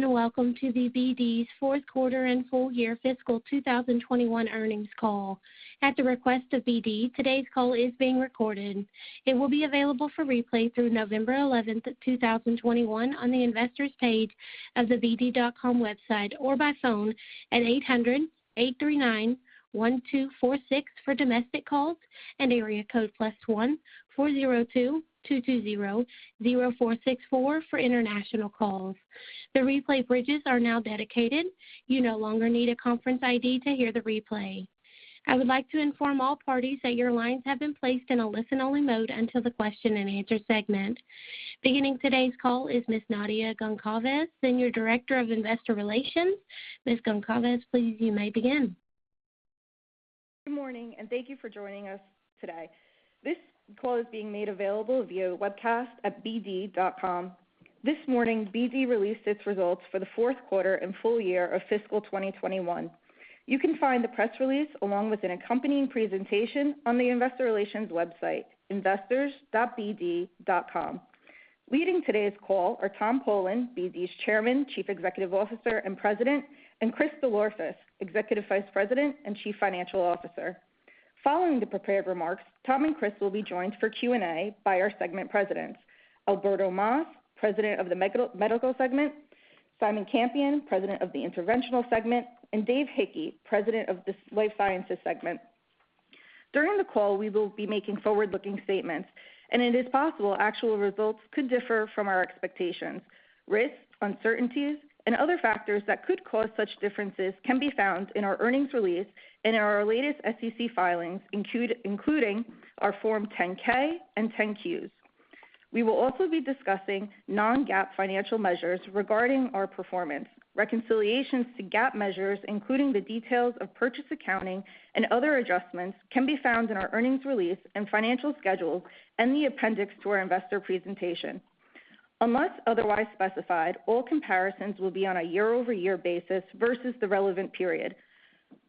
Hello, and welcome to BD's fourth quarter and full year fiscal 2021 earnings call. At the request of BD, today's call is being recorded. It will be available for replay through November 11, 2021 on the investors page of the bd.com website or by phone at 800-839-1246 for domestic calls and area code +1-402-220-0464 for international calls. The replay bridges are now dedicated. You no longer need a conference ID to hear the replay. I would like to inform all parties that your lines have been placed in a listen-only mode until the question and answer segment. Beginning today's call is Ms. Nadia Goncalves, Senior Director of Investor Relations. Ms. Goncalves, please, you may begin. Good morning, and thank you for joining us today. This call is being made available via webcast at bd.com. This morning, BD released its results for the fourth quarter and full year of fiscal 2021. You can find the press release along with an accompanying presentation on the investor relations website, investors.bd.com. Leading today's call are Tom Polen, BD's Chairman, Chief Executive Officer, and President, and Chris DelOrefice, Executive Vice President and Chief Financial Officer. Following the prepared remarks, Tom and Chris will be joined for Q&A by our segment presidents, Alberto Mas, President of the Medical Segment, Simon Campion, President of the Interventional Segment, and Dave Hickey, President of the Life Sciences Segment. During the call, we will be making forward-looking statements, and it is possible actual results could differ from our expectations. Risks, uncertainties, and other factors that could cause such differences can be found in our earnings release and in our latest SEC filings, including our Form 10-K and 10-Qs. We will also be discussing non-GAAP financial measures regarding our performance. Reconciliations to GAAP measures, including the details of purchase accounting and other adjustments, can be found in our earnings release and financial schedule and the appendix to our investor presentation. Unless otherwise specified, all comparisons will be on a year-over-year basis versus the relevant period.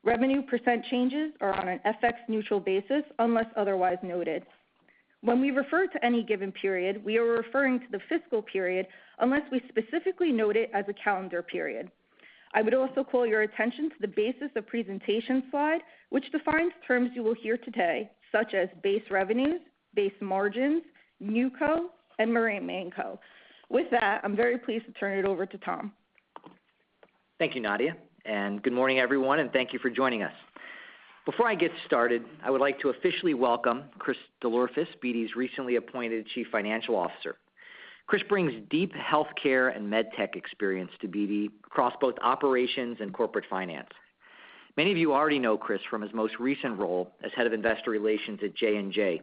Revenue percent changes are on an FX neutral basis, unless otherwise noted. When we refer to any given period, we are referring to the fiscal period, unless we specifically note it as a calendar period. I would also call your attention to the basis of presentation slide, which defines terms you will hear today, such as base revenues, base margins, NewCo, and RemainCo. With that, I'm very pleased to turn it over to Tom. Thank you, Nadia, and good morning, everyone, and thank you for joining us. Before I get started, I would like to officially welcome Chris DelOrefice, BD's recently appointed Chief Financial Officer. Chris brings deep healthcare and med tech experience to BD across both operations and corporate finance. Many of you already know Chris from his most recent role as Head of Investor Relations at J&J.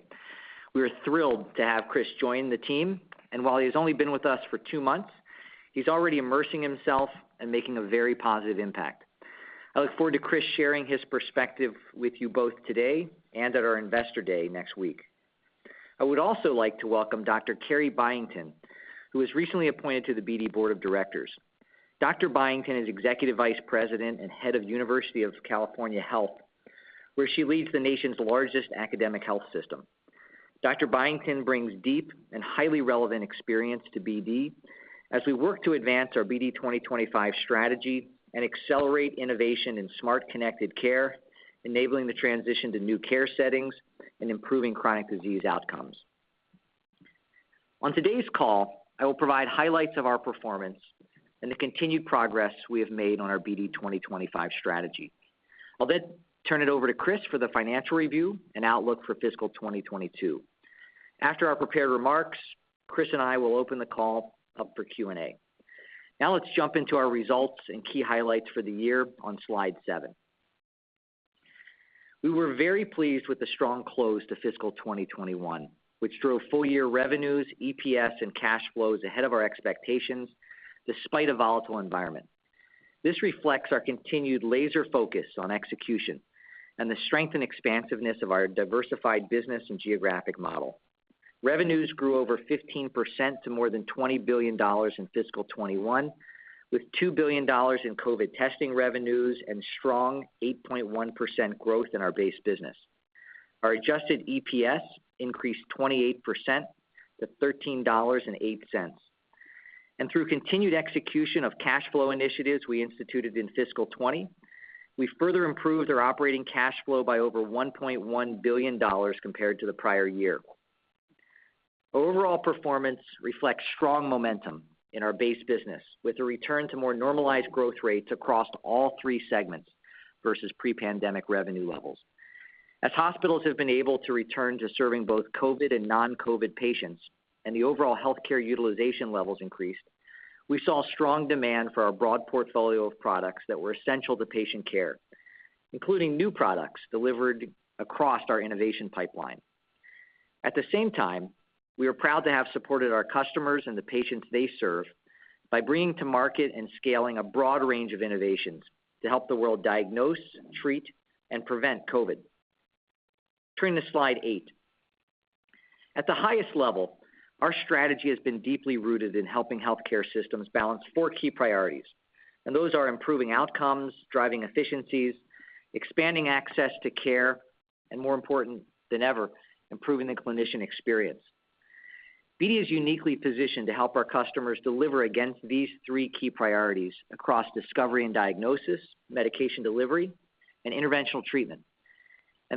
We are thrilled to have Chris join the team, and while he has only been with us for two months, he's already immersing himself and making a very positive impact. I look forward to Chris sharing his perspective with you both today and at our Investor Day next week. I would also like to welcome Dr. Carrie Byington, who was recently appointed to the BD Board of Directors. Byington is Executive Vice President and Head of University of California Health, where she leads the nation's largest academic health system. Dr. Byington brings deep and highly relevant experience to BD as we work to advance our BD 2025 strategy and accelerate innovation in smart connected care, enabling the transition to new care settings and improving chronic disease outcomes. On today's call, I will provide highlights of our performance and the continued progress we have made on our BD 2025 strategy. I'll then turn it over to Chris for the financial review and outlook for fiscal 2022. After our prepared remarks, Chris and I will open the call up for Q&A. Now let's jump into our results and key highlights for the year on slide seven. We were very pleased with the strong close to fiscal 2021, which drove full-year revenues, EPS, and cash flows ahead of our expectations despite a volatile environment. This reflects our continued laser focus on execution and the strength and expansiveness of our diversified business and geographic model. Revenues grew over 15% to more than $20 billion in fiscal 2021, with $2 billion in COVID testing revenues and strong 8.1% growth in our base business. Our adjusted EPS increased 28% to $13.08. Through continued execution of cash flow initiatives we instituted in fiscal 2020, we further improved our operating cash flow by over $1.1 billion compared to the prior year. Overall performance reflects strong momentum in our base business, with a return to more normalized growth rates across all three segments versus pre-pandemic revenue levels. As hospitals have been able to return to serving both COVID and non-COVID patients and the overall healthcare utilization levels increased, we saw strong demand for our broad portfolio of products that were essential to patient care, including new products delivered across our innovation pipeline. At the same time, we are proud to have supported our customers and the patients they serve by bringing to market and scaling a broad range of innovations to help the world diagnose, treat, and prevent COVID. Turning to slide eight. At the highest level, our strategy has been deeply rooted in helping healthcare systems balance four key priorities. Those are improving outcomes, driving efficiencies, expanding access to care, and more important than ever, improving the clinician experience. BD is uniquely positioned to help our customers deliver against these three key priorities across discovery and diagnosis, medication delivery, and interventional treatment.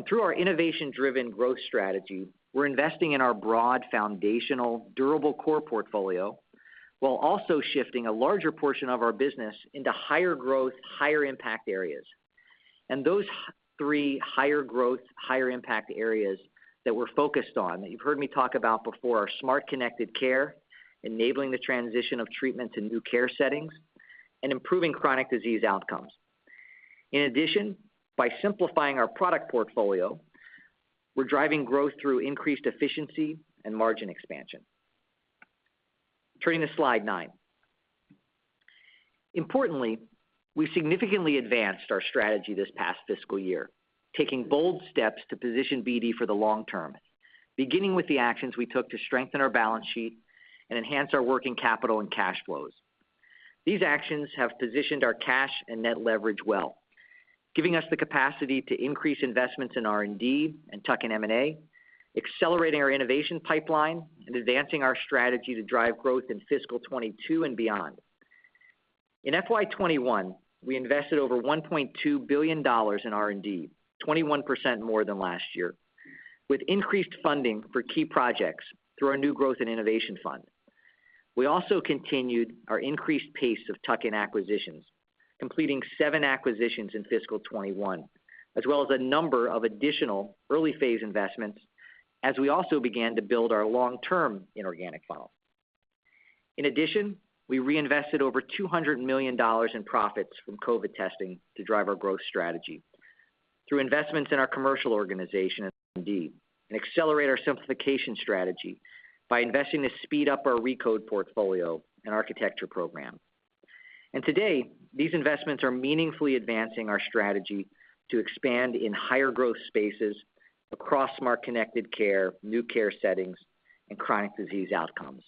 Through our innovation-driven growth strategy, we're investing in our broad foundational durable core portfolio while also shifting a larger portion of our business into higher growth, higher impact areas. Those three higher growth, higher impact areas that you've heard me talk about before are smart connected care, enabling the transition of treatment to new care settings, and improving chronic disease outcomes. In addition, by simplifying our product portfolio, we're driving growth through increased efficiency and margin expansion. Turning to slide 9. Importantly, we significantly advanced our strategy this past fiscal year, taking bold steps to position BD for the long term, beginning with the actions we took to strengthen our balance sheet and enhance our working capital and cash flows. These actions have positioned our cash and net leverage well, giving us the capacity to increase investments in R&D and tuck-in M&A, accelerating our innovation pipeline, and advancing our strategy to drive growth in fiscal 2022 and beyond. In FY 2021, we invested over $1.2 billion in R&D, 21% more than last year, with increased funding for key projects through our new growth and innovation fund. We also continued our increased pace of tuck-in acquisitions, completing seven acquisitions in fiscal 2021, as well as a number of additional early-phase investments as we also began to build our long-term inorganic funnel. In addition, we reinvested over $200 million in profits from COVID testing to drive our growth strategy through investments in our commercial organization and R&D, and accelerate our simplification strategy by investing to speed up our Recode portfolio and architecture program. Today, these investments are meaningfully advancing our strategy to expand in higher growth spaces across smart connected care, new care settings, and chronic disease outcomes.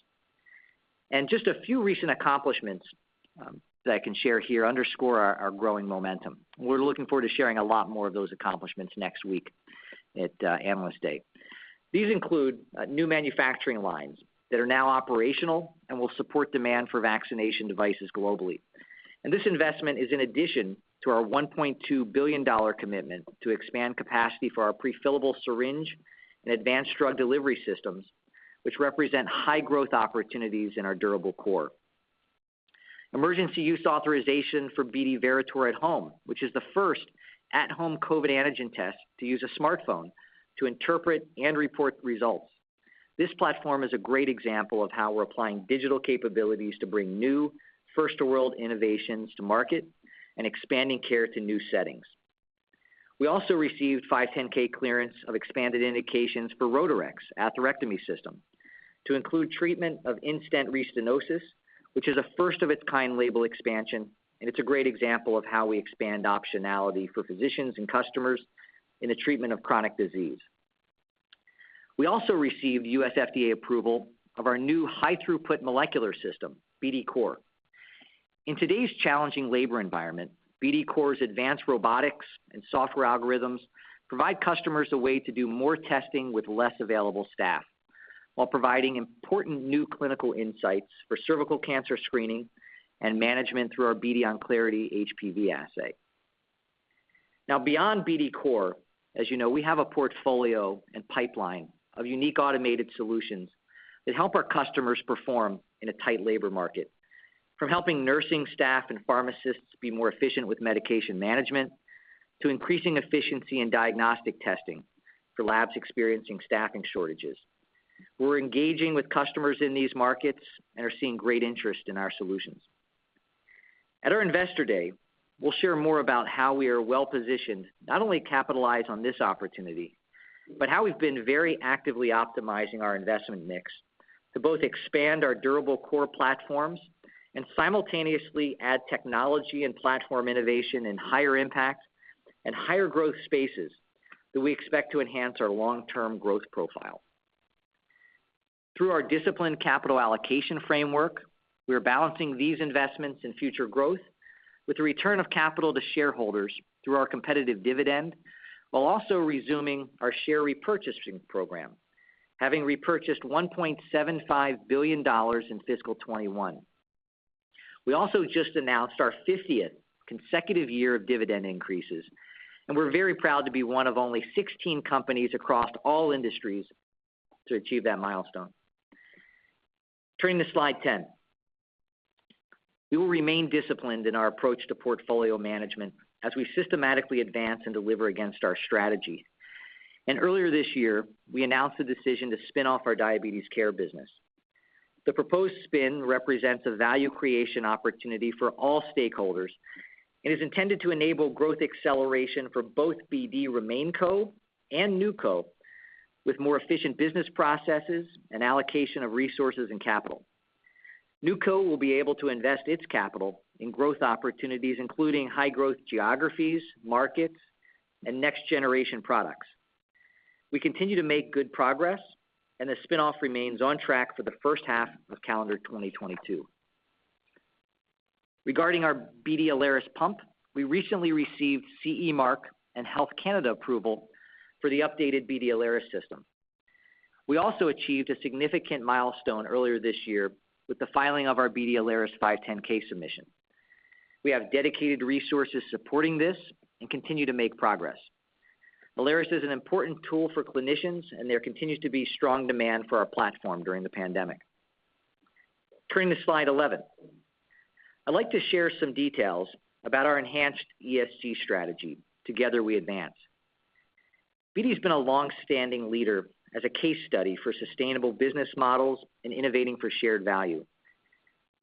Just a few recent accomplishments that I can share here underscore our growing momentum. We're looking forward to sharing a lot more of those accomplishments next week at Analyst Day. These include new manufacturing lines that are now operational and will support demand for vaccination devices globally. This investment is in addition to our $1.2 billion commitment to expand capacity for our prefillable syringe and advanced drug delivery systems, which represent high growth opportunities in our durable core. Emergency use authorization for BD Veritor At-Home, which is the first at-home COVID antigen test to use a smartphone to interpret and report results. This platform is a great example of how we're applying digital capabilities to bring new first-to-world innovations to market and expanding care to new settings. We also received 510(k) clearance of expanded indications for Rotarex atherectomy system to include treatment of in-stent restenosis, which is a first of its kind label expansion, and it's a great example of how we expand optionality for physicians and customers in the treatment of chronic disease. We also received U.S. FDA approval of our new high-throughput molecular system, BD COR. In today's challenging labor environment, BD COR's advanced robotics and software algorithms provide customers a way to do more testing with less available staff while providing important new clinical insights for cervical cancer screening and management through our BD Onclarity HPV assay. Now, beyond BD COR, as you know, we have a portfolio and pipeline of unique automated solutions that help our customers perform in a tight labor market, from helping nursing staff and pharmacists be more efficient with medication management to increasing efficiency in diagnostic testing for labs experiencing staffing shortages. We're engaging with customers in these markets and are seeing great interest in our solutions. At our Investor Day, we'll share more about how we are well positioned to not only capitalize on this opportunity, but how we've been very actively optimizing our investment mix to both expand our durable core platforms and simultaneously add technology and platform innovation in higher impact and higher growth spaces that we expect to enhance our long-term growth profile. Through our disciplined capital allocation framework, we are balancing these investments in future growth with the return of capital to shareholders through our competitive dividend while also resuming our share repurchasing program, having repurchased $1.75 billion in fiscal 2021. We also just announced our 50th consecutive year of dividend increases, and we're very proud to be one of only 16 companies across all industries to achieve that milestone. Turning to slide 10. We will remain disciplined in our approach to portfolio management as we systematically advance and deliver against our strategy. Earlier this year, we announced the decision to spin off our diabetes care business. The proposed spin represents a value creation opportunity for all stakeholders and is intended to enable growth acceleration for both BD RemainCo and NewCo with more efficient business processes and allocation of resources and capital. NewCo will be able to invest its capital in growth opportunities, including high-growth geographies, markets, and next-generation products. We continue to make good progress, and the spin-off remains on track for the first half of calendar 2022. Regarding our BD Alaris pump, we recently received CE mark and Health Canada approval for the updated BD Alaris system. We also achieved a significant milestone earlier this year with the filing of our BD Alaris 510(k) submission. We have dedicated resources supporting this and continue to make progress. Alaris is an important tool for clinicians, and there continues to be strong demand for our platform during the pandemic. Turning to slide 11. I'd like to share some details about our enhanced ESG strategy, Together We Advance. BD's been a long-standing leader as a case study for sustainable business models and innovating for shared value.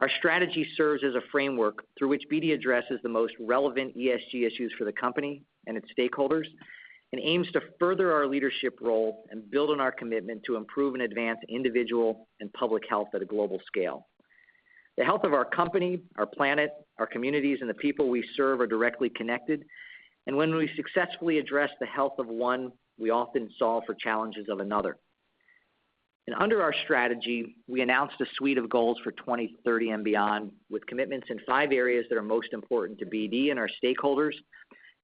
Our strategy serves as a framework through which BD addresses the most relevant ESG issues for the company and its stakeholders and aims to further our leadership role and build on our commitment to improve and advance individual and public health at a global scale. The health of our company, our planet, our communities, and the people we serve are directly connected, and when we successfully address the health of one, we often solve for challenges of another. Under our strategy, we announced a suite of goals for 2030 and beyond, with commitments in five areas that are most important to BD and our stakeholders,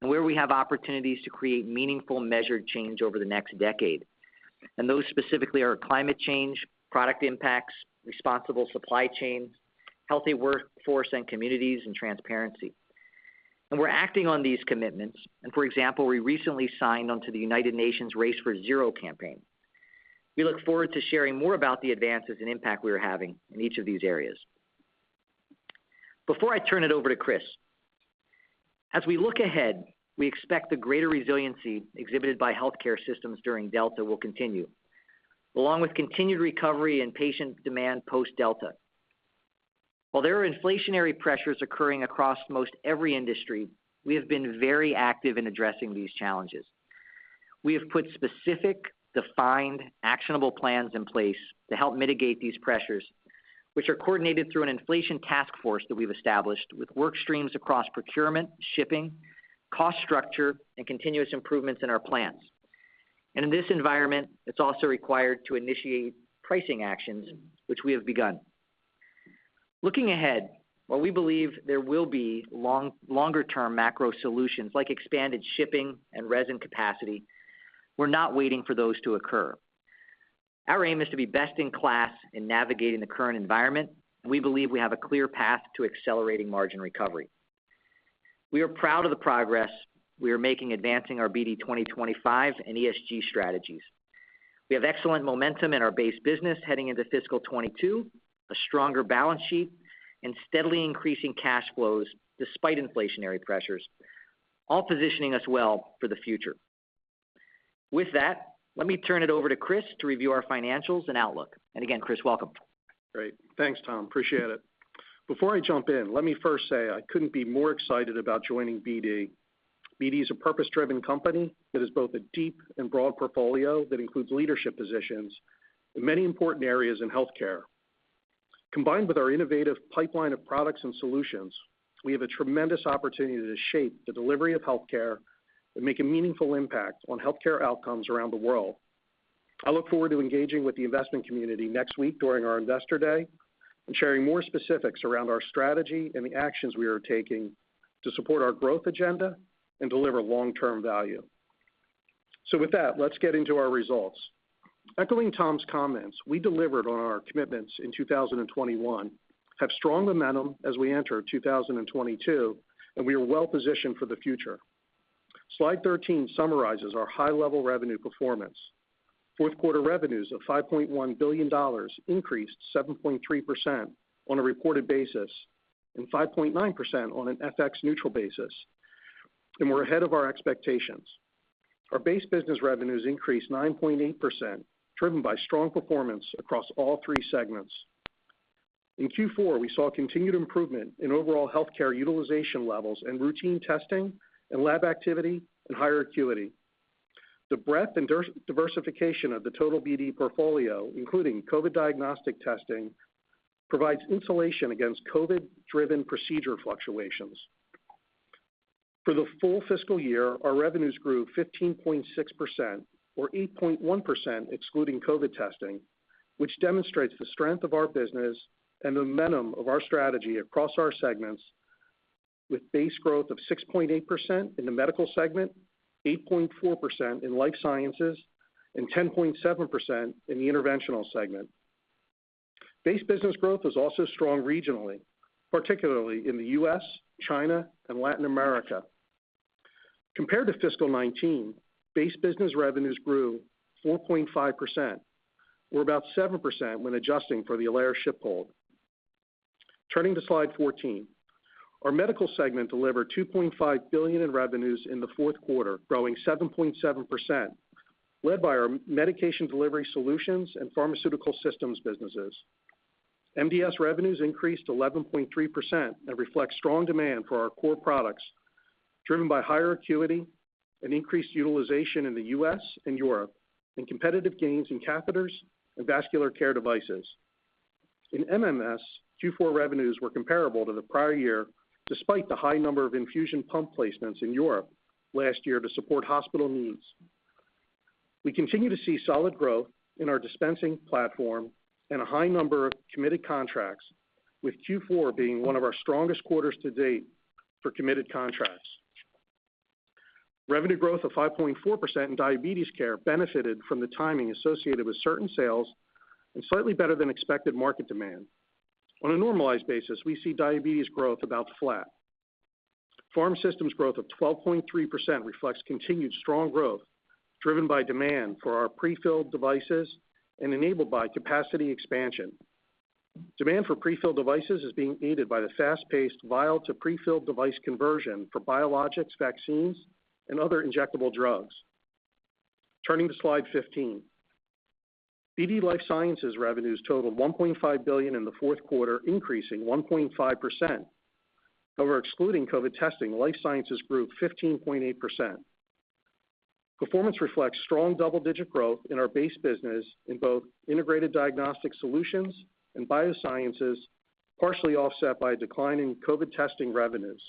and where we have opportunities to create meaningful, measured change over the next decade. Those specifically are climate change, product impacts, responsible supply chains, healthy workforce and communities, and transparency. We're acting on these commitments. For example, we recently signed on to the United Nations Race to Zero campaign. We look forward to sharing more about the advances and impact we are having in each of these areas. Before I turn it over to Chris, as we look ahead, we expect the greater resiliency exhibited by healthcare systems during Delta will continue, along with continued recovery and patient demand post-Delta. While there are inflationary pressures occurring across most every industry, we have been very active in addressing these challenges. We have put specific, defined, actionable plans in place to help mitigate these pressures, which are coordinated through an inflation task force that we've established with work streams across procurement, shipping, cost structure, and continuous improvements in our plans. In this environment, it's also required to initiate pricing actions, which we have begun. Looking ahead, while we believe there will be longer term macro solutions like expanded shipping and resin capacity, we're not waiting for those to occur. Our aim is to be best in class in navigating the current environment. We believe we have a clear path to accelerating margin recovery. We are proud of the progress we are making advancing our BD 2025 and ESG strategies. We have excellent momentum in our base business heading into fiscal 2022, a stronger balance sheet, and steadily increasing cash flows despite inflationary pressures, all positioning us well for the future. With that, let me turn it over to Chris to review our financials and outlook. Again, Chris, welcome. Great. Thanks, Tom. Appreciate it. Before I jump in, let me first say I couldn't be more excited about joining BD. BD is a purpose-driven company that has both a deep and broad portfolio that includes leadership positions in many important areas in healthcare. Combined with our innovative pipeline of products and solutions, we have a tremendous opportunity to shape the delivery of healthcare and make a meaningful impact on healthcare outcomes around the world. I look forward to engaging with the investment community next week during our Investor Day and sharing more specifics around our strategy and the actions we are taking to support our growth agenda and deliver long-term value. With that, let's get into our results. Echoing Tom's comments, we delivered on our commitments in 2021, have strong momentum as we enter 2022, and we are well positioned for the future. Slide 13 summarizes our high-level revenue performance. Fourth quarter revenues of $5.1 billion increased 7.3% on a reported basis and 5.9% on an FX neutral basis. We're ahead of our expectations. Our base business revenues increased 9.8%, driven by strong performance across all three segments. In Q4, we saw continued improvement in overall healthcare utilization levels and routine testing and lab activity and higher acuity. The breadth and diversification of the total BD portfolio, including COVID diagnostic testing, provides insulation against COVID-driven procedure fluctuations. For the full fiscal year, our revenues grew 15.6% or 8.1% excluding COVID testing, which demonstrates the strength of our business and the momentum of our strategy across our segments with base growth of 6.8% in the Medical segment, 8.4% in Life Sciences, and 10.7% in the Interventional segment. Base business growth was also strong regionally, particularly in the U.S., China, and Latin America. Compared to fiscal 2019, base business revenues grew 4.5% or about 7% when adjusting for the Alaris ship hold. Turning to slide 14. Our Medical segment delivered $2.5 billion in revenues in the fourth quarter, growing 7.7%, led by our Medication Delivery Solutions and Pharmaceutical Systems businesses. MDS revenues increased 11.3% and reflect strong demand for our core products, driven by higher acuity and increased utilization in the U.S. and Europe and competitive gains in catheters and vascular care devices. In MMS, Q4 revenues were comparable to the prior year despite the high number of infusion pump placements in Europe last year to support hospital needs. We continue to see solid growth in our dispensing platform and a high number of committed contracts, with Q4 being one of our strongest quarters to date for committed contracts. Revenue growth of 5.4% in diabetes care benefited from the timing associated with certain sales and slightly better than expected market demand. On a normalized basis, we see diabetes growth about flat. Pharm Systems growth of 12.3% reflects continued strong growth driven by demand for our prefilled devices and enabled by capacity expansion. Demand for prefilled devices is being aided by the fast-paced vial to prefilled device conversion for biologics, vaccines, and other injectable drugs. Turning to slide 15. BD Life Sciences revenues totaled $1.5 billion in the fourth quarter, increasing 1.5%. However, excluding COVID testing, Life Sciences grew 15.8%. Performance reflects strong double-digit growth in our base business in both integrated diagnostic solutions and biosciences, partially offset by a decline in COVID testing revenues.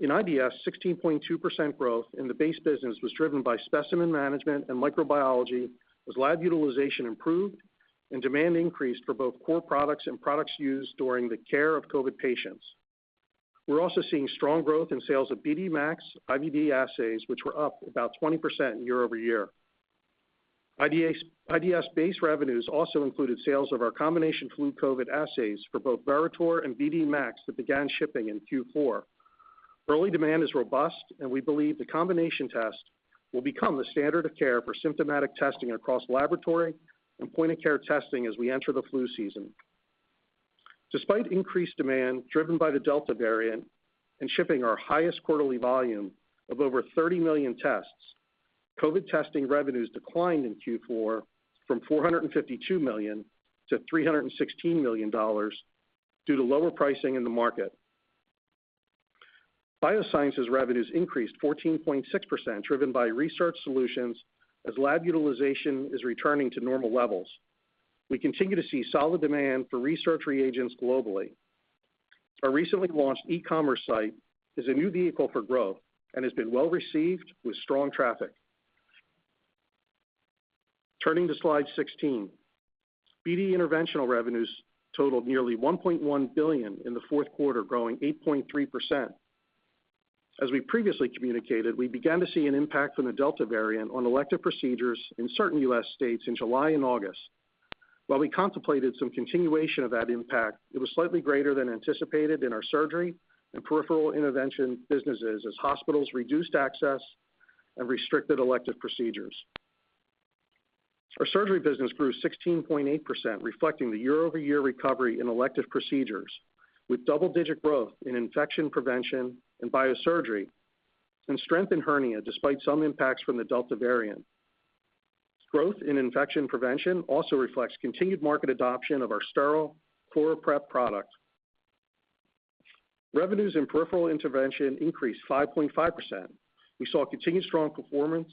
In IDS, 16.2% growth in the base business was driven by specimen management and microbiology, as lab utilization improved and demand increased for both core products and products used during the care of COVID patients. We're also seeing strong growth in sales of BD Max IVD assays, which were up about 20% year-over-year. IDS base revenues also included sales of our combination flu COVID assays for both Veritor and BD MAX that began shipping in Q4. Early demand is robust, and we believe the combination test will become the standard of care for symptomatic testing across laboratory and point of care testing as we enter the flu season. Despite increased demand driven by the Delta variant and shipping our highest quarterly volume of over 30 million tests, COVID testing revenues declined in Q4 from $452 million to $316 million due to lower pricing in the market. Biosciences revenues increased 14.6%, driven by research solutions as lab utilization is returning to normal levels. We continue to see solid demand for research reagents globally. Our recently launched e-commerce site is a new vehicle for growth and has been well received with strong traffic. Turning to slide 16. BD Interventional revenues totaled nearly $1.1 billion in the fourth quarter, growing 8.3%. As we previously communicated, we began to see an impact from the Delta variant on elective procedures in certain U.S. states in July and August. While we contemplated some continuation of that impact, it was slightly greater than anticipated in our surgery and peripheral intervention businesses as hospitals reduced access and restricted elective procedures. Our surgery business grew 16.8%, reflecting the year-over-year recovery in elective procedures, with double-digit growth in infection prevention and biosurgery, and strength in hernia despite some impacts from the Delta variant. Growth in infection prevention also reflects continued market adoption of our ChloraPrep product. Revenues in peripheral intervention increased 5.5%. We saw continued strong performance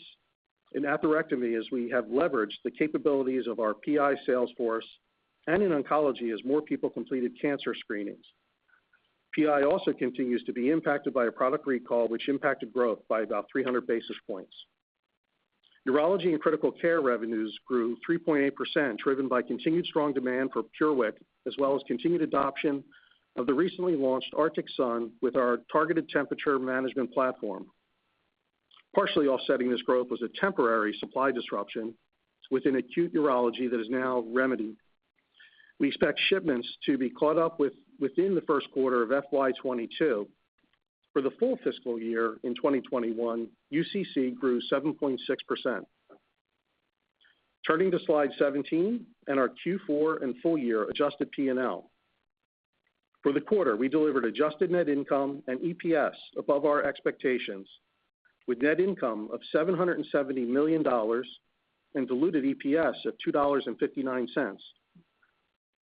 in atherectomy as we have leveraged the capabilities of our PI sales force and in oncology as more people completed cancer screenings. PI also continues to be impacted by a product recall which impacted growth by about 300 basis points. Urology and critical care revenues grew 3.8%, driven by continued strong demand for PureWick, as well as continued adoption of the recently launched Arctic Sun with our targeted temperature management platform. Partially offsetting this growth was a temporary supply disruption within acute urology that is now remedied. We expect shipments to be caught up within the first quarter of FY 2022. For the full fiscal year 2021, UCC grew 7.6%. Turning to slide 17 and our Q4 and full year adjusted P&L. For the quarter, we delivered adjusted net income and EPS above our expectations, with net income of $770 million and diluted EPS of $2.59.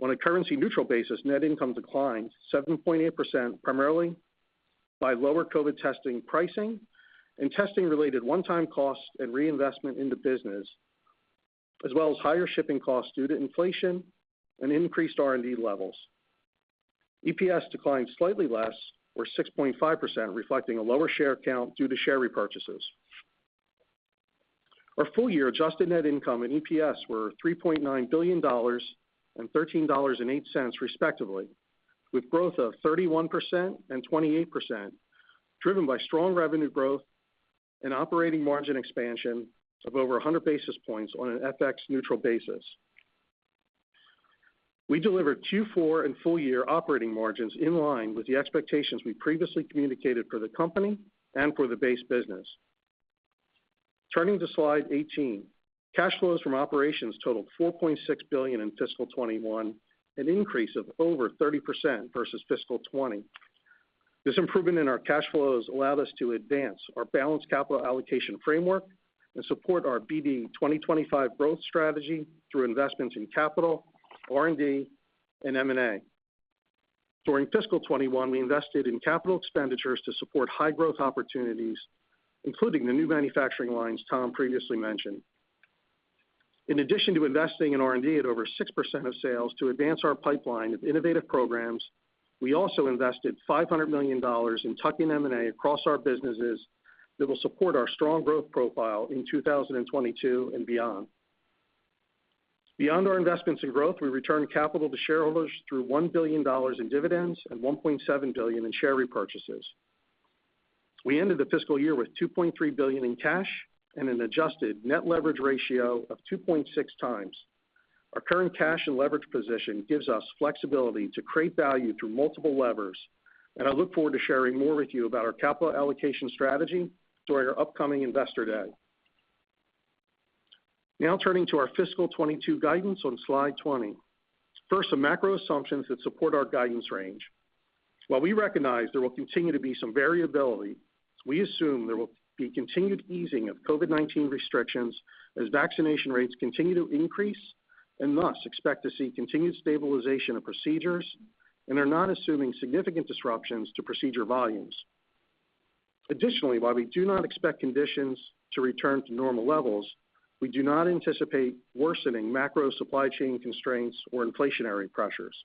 On a currency neutral basis, net income declined 7.8%, primarily by lower COVID testing pricing and testing related one-time costs and reinvestment in the business, as well as higher shipping costs due to inflation and increased R&D levels. EPS declined slightly less, or 6.5%, reflecting a lower share count due to share repurchases. Our full year adjusted net income and EPS were $3.9 billion and $13.08 respectively, with growth of 31% and 28%, driven by strong revenue growth and operating margin expansion of over 100 basis points on an FX neutral basis. We delivered Q4 and full year operating margins in line with the expectations we previously communicated for the company and for the base business. Turning to slide 18. Cash flows from operations totaled $4.6 billion in fiscal 2021, an increase of over 30% versus fiscal 2020. This improvement in our cash flows allowed us to advance our balanced capital allocation framework and support our BD 2025 growth strategy through investments in capital, R&D, and M&A. During fiscal 2021, we invested in capital expenditures to support high growth opportunities, including the new manufacturing lines Tom previously mentioned. In addition to investing in R&D at over 6% of sales to advance our pipeline of innovative programs, we also invested $500 million in tuck-in M&A across our businesses that will support our strong growth profile in 2022 and beyond. Beyond our investments in growth, we returned capital to shareholders through $1 billion in dividends and $1.7 billion in share repurchases. We ended the fiscal year with $2.3 billion in cash and an adjusted net leverage ratio of 2.6x. Our current cash and leverage position gives us flexibility to create value through multiple levers, and I look forward to sharing more with you about our capital allocation strategy during our upcoming Investor Day. Now turning to our FY 2022 guidance on slide 20. First, some macro assumptions that support our guidance range. While we recognize there will continue to be some variability, we assume there will be continued easing of COVID-19 restrictions as vaccination rates continue to increase, and thus expect to see continued stabilization of procedures and are not assuming significant disruptions to procedure volumes. Additionally, while we do not expect conditions to return to normal levels, we do not anticipate worsening macro supply chain constraints or inflationary pressures.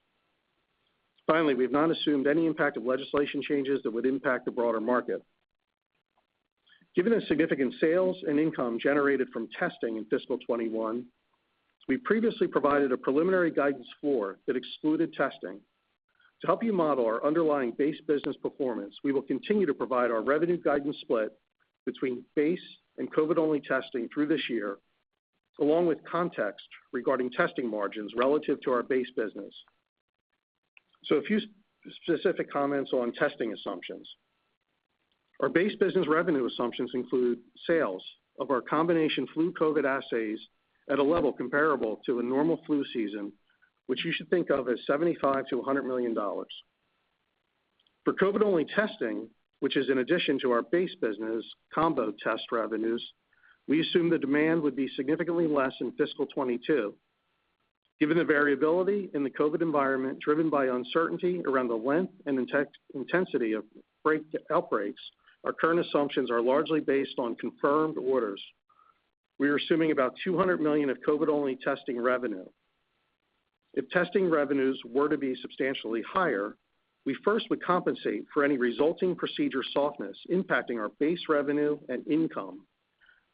Finally, we have not assumed any impact of legislation changes that would impact the broader market. Given the significant sales and income generated from testing in fiscal 2021, we previously provided a preliminary guidance floor that excluded testing. To help you model our underlying base business performance, we will continue to provide our revenue guidance split between base and COVID-only testing through this year, along with context regarding testing margins relative to our base business. A few specific comments on testing assumptions. Our base business revenue assumptions include sales of our combination flu COVID assays at a level comparable to a normal flu season, which you should think of as $75 million-$100 million. For COVID-only testing, which is in addition to our base business combo test revenues, we assume the demand would be significantly less in fiscal 2022. Given the variability in the COVID environment driven by uncertainty around the length and intensity of breakthrough outbreaks, our current assumptions are largely based on confirmed orders. We are assuming about $200 million of COVID-only testing revenue. If testing revenues were to be substantially higher, we first would compensate for any resulting procedure softness impacting our base revenue and income,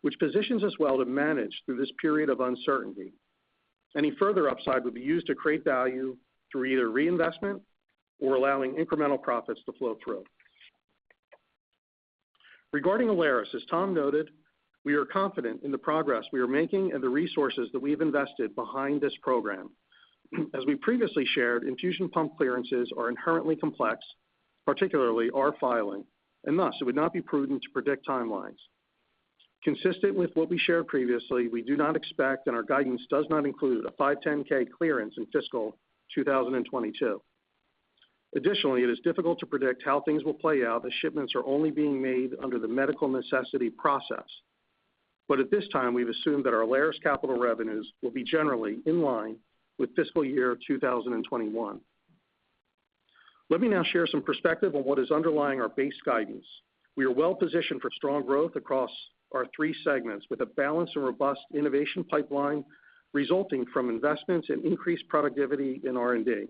which positions us well to manage through this period of uncertainty. Any further upside would be used to create value through either reinvestment or allowing incremental profits to flow through. Regarding Alaris, as Tom noted, we are confident in the progress we are making and the resources that we've invested behind this program. As we previously shared, infusion pump clearances are inherently complex, particularly our filing, and thus it would not be prudent to predict timelines. Consistent with what we shared previously, we do not expect, and our guidance does not include a 510(k) clearance in fiscal 2022. Additionally, it is difficult to predict how things will play out as shipments are only being made under the medical necessity process. At this time, we've assumed that our Alaris capital revenues will be generally in line with fiscal year 2021. Let me now share some perspective on what is underlying our base guidance. We are well-positioned for strong growth across our three segments with a balanced and robust innovation pipeline resulting from investments and increased productivity in R&D.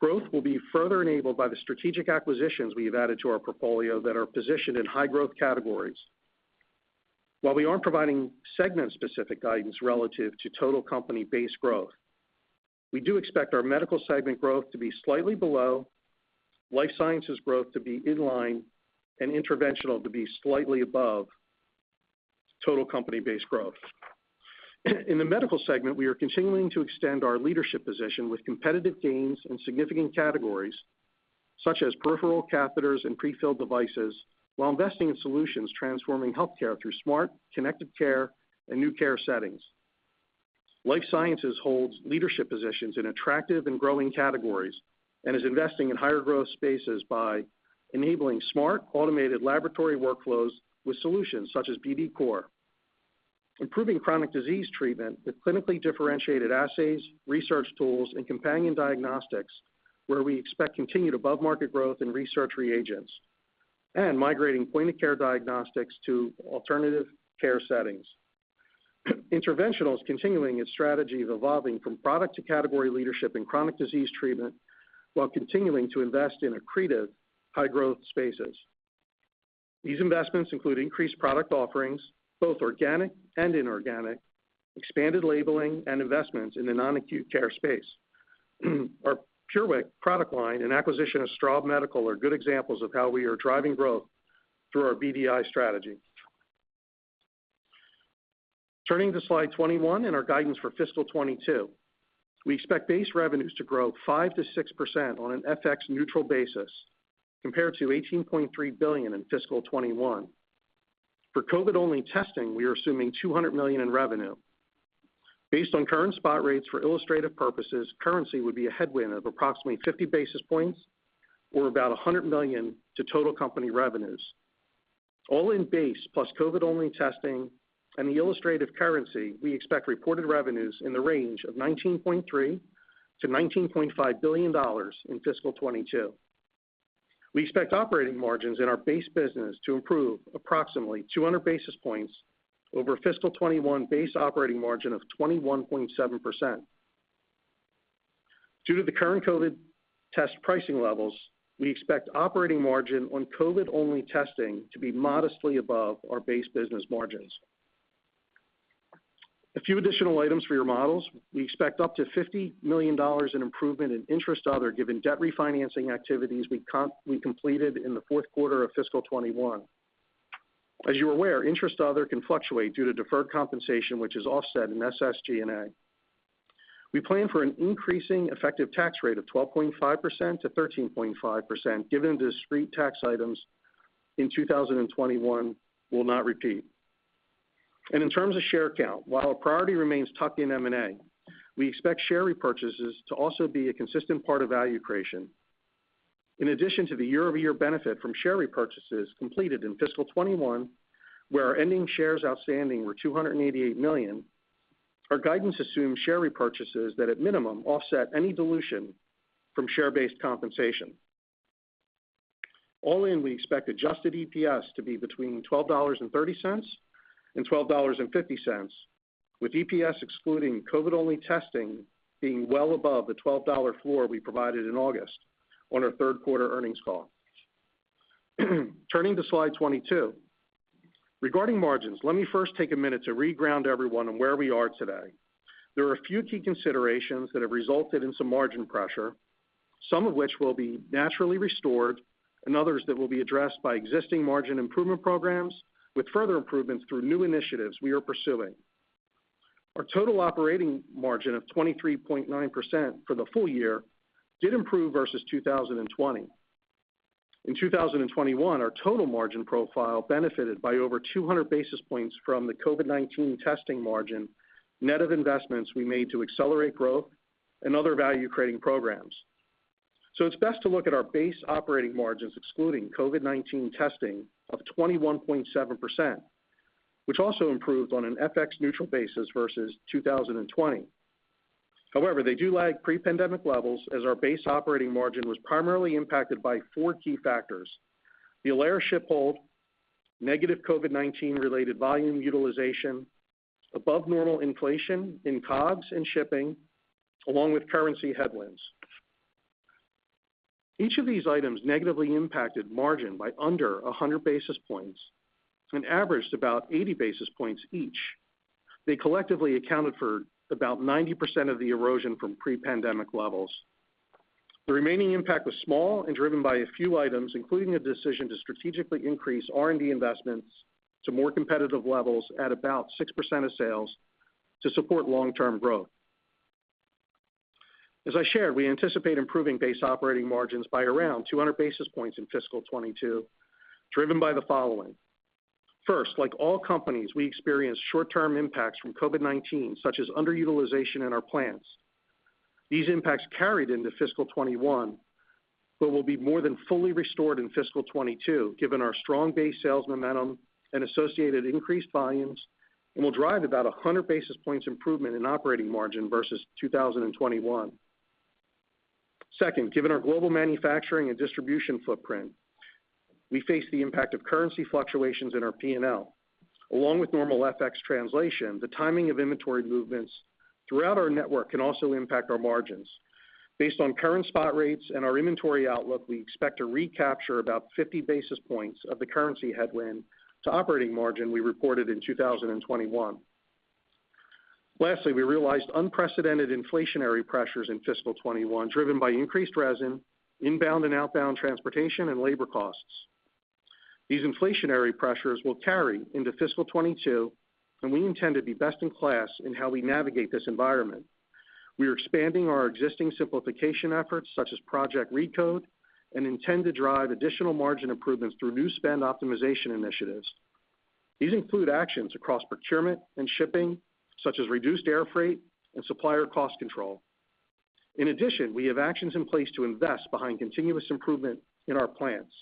Growth will be further enabled by the strategic acquisitions we have added to our portfolio that are positioned in high growth categories. While we aren't providing segment-specific guidance relative to total company base growth, we do expect our Medical segment growth to be slightly below, Life Sciences growth to be in line, and Interventional to be slightly above total company base growth. In the Medical segment, we are continuing to extend our leadership position with competitive gains in significant categories, such as peripheral catheters and prefilled devices, while investing in solutions transforming healthcare through smart, connected care and new care settings. Life Sciences holds leadership positions in attractive and growing categories and is investing in higher growth spaces by enabling smart, automated laboratory workflows with solutions such as BD COR. Improving chronic disease treatment with clinically differentiated assays, research tools, and companion diagnostics, where we expect continued above-market growth in research reagents, and migrating point-of-care diagnostics to alternative care settings. Interventional is continuing its strategy of evolving from product to category leadership in chronic disease treatment while continuing to invest in accretive high growth spaces. These investments include increased product offerings, both organic and inorganic, expanded labeling, and investments in the non-acute care space. Our PureWick product line and acquisition of Straub Medical are good examples of how we are driving growth through our BDI strategy. Turning to slide 21 and our guidance for FY 2022. We expect base revenues to grow 5%-6% on an FX neutral basis compared to $18.3 billion in FY 2021. For COVID-only testing, we are assuming $200 million in revenue. Based on current spot rates for illustrative purposes, currency would be a headwind of approximately 50 basis points or about $100 million to total company revenues. All in base plus COVID-only testing and the illustrative currency, we expect reported revenues in the range of $19.3 billion-$19.5 billion in FY 2022. We expect operating margins in our base business to improve approximately 200 basis points over FY 2021 base operating margin of 21.7%. Due to the current COVID test pricing levels, we expect operating margin on COVID-only testing to be modestly above our base business margins. A few additional items for your models. We expect up to $50 million in improvement in interest other, given debt refinancing activities we completed in the fourth quarter of FY 2021. As you are aware, interest and other can fluctuate due to deferred compensation, which is offset in SG&A. We plan for an increasing effective tax rate of 12.5%-13.5%, given the discrete tax items in 2021 will not repeat. In terms of share count, while our priority remains tuck-in M&A, we expect share repurchases to also be a consistent part of value creation. In addition to the year-over-year benefit from share repurchases completed in fiscal 2021, where our ending shares outstanding were 288 million, our guidance assumes share repurchases that at minimum offset any dilution from share-based compensation. All in, we expect adjusted EPS to be between $12.30 and $12.50, with EPS excluding COVID-only testing being well above the $12 floor we provided in August on our third quarter earnings call. Turning to slide 22. Regarding margins, let me first take a minute to reground everyone on where we are today. There are a few key considerations that have resulted in some margin pressure, some of which will be naturally restored, and others that will be addressed by existing margin improvement programs, with further improvements through new initiatives we are pursuing. Our total operating margin of 23.9% for the full year did improve versus 2020. In 2021, our total margin profile benefited by over 200 basis points from the COVID-19 testing margin, net of investments we made to accelerate growth and other value-creating programs. It's best to look at our base operating margins excluding COVID-19 testing of 21.7%, which also improved on an FX neutral basis versus 2020. However, they do lag pre-pandemic levels as our base operating margin was primarily impacted by four key factors. The Alaris ship hold, negative COVID-19 related volume utilization, above normal inflation in COGS and shipping, along with currency headwinds. Each of these items negatively impacted margin by under 100 basis points and averaged about 80 basis points each. They collectively accounted for about 90% of the erosion from pre-pandemic levels. The remaining impact was small and driven by a few items, including a decision to strategically increase R&D investments to more competitive levels at about 6% of sales to support long-term growth. As I shared, we anticipate improving base operating margins by around 200 basis points in fiscal 2022, driven by the following. First, like all companies, we experienced short-term impacts from COVID-19, such as underutilization in our plants. These impacts carried into fiscal 2021, but will be more than fully restored in fiscal 2022, given our strong base sales momentum and associated increased volumes, and will drive about 100 basis points improvement in operating margin versus 2021. Second, given our global manufacturing and distribution footprint, we face the impact of currency fluctuations in our P&L. Along with normal FX translation, the timing of inventory movements throughout our network can also impact our margins. Based on current spot rates and our inventory outlook, we expect to recapture about 50 basis points of the currency headwind to operating margin we reported in 2021. Lastly, we realized unprecedented inflationary pressures in fiscal 2021, driven by increased resin, inbound and outbound transportation, and labor costs. These inflationary pressures will carry into fiscal 2022, and we intend to be best in class in how we navigate this environment. We are expanding our existing simplification efforts, such as Project Recode, and intend to drive additional margin improvements through new spend optimization initiatives. These include actions across procurement and shipping, such as reduced air freight and supplier cost control. In addition, we have actions in place to invest behind continuous improvement in our plans.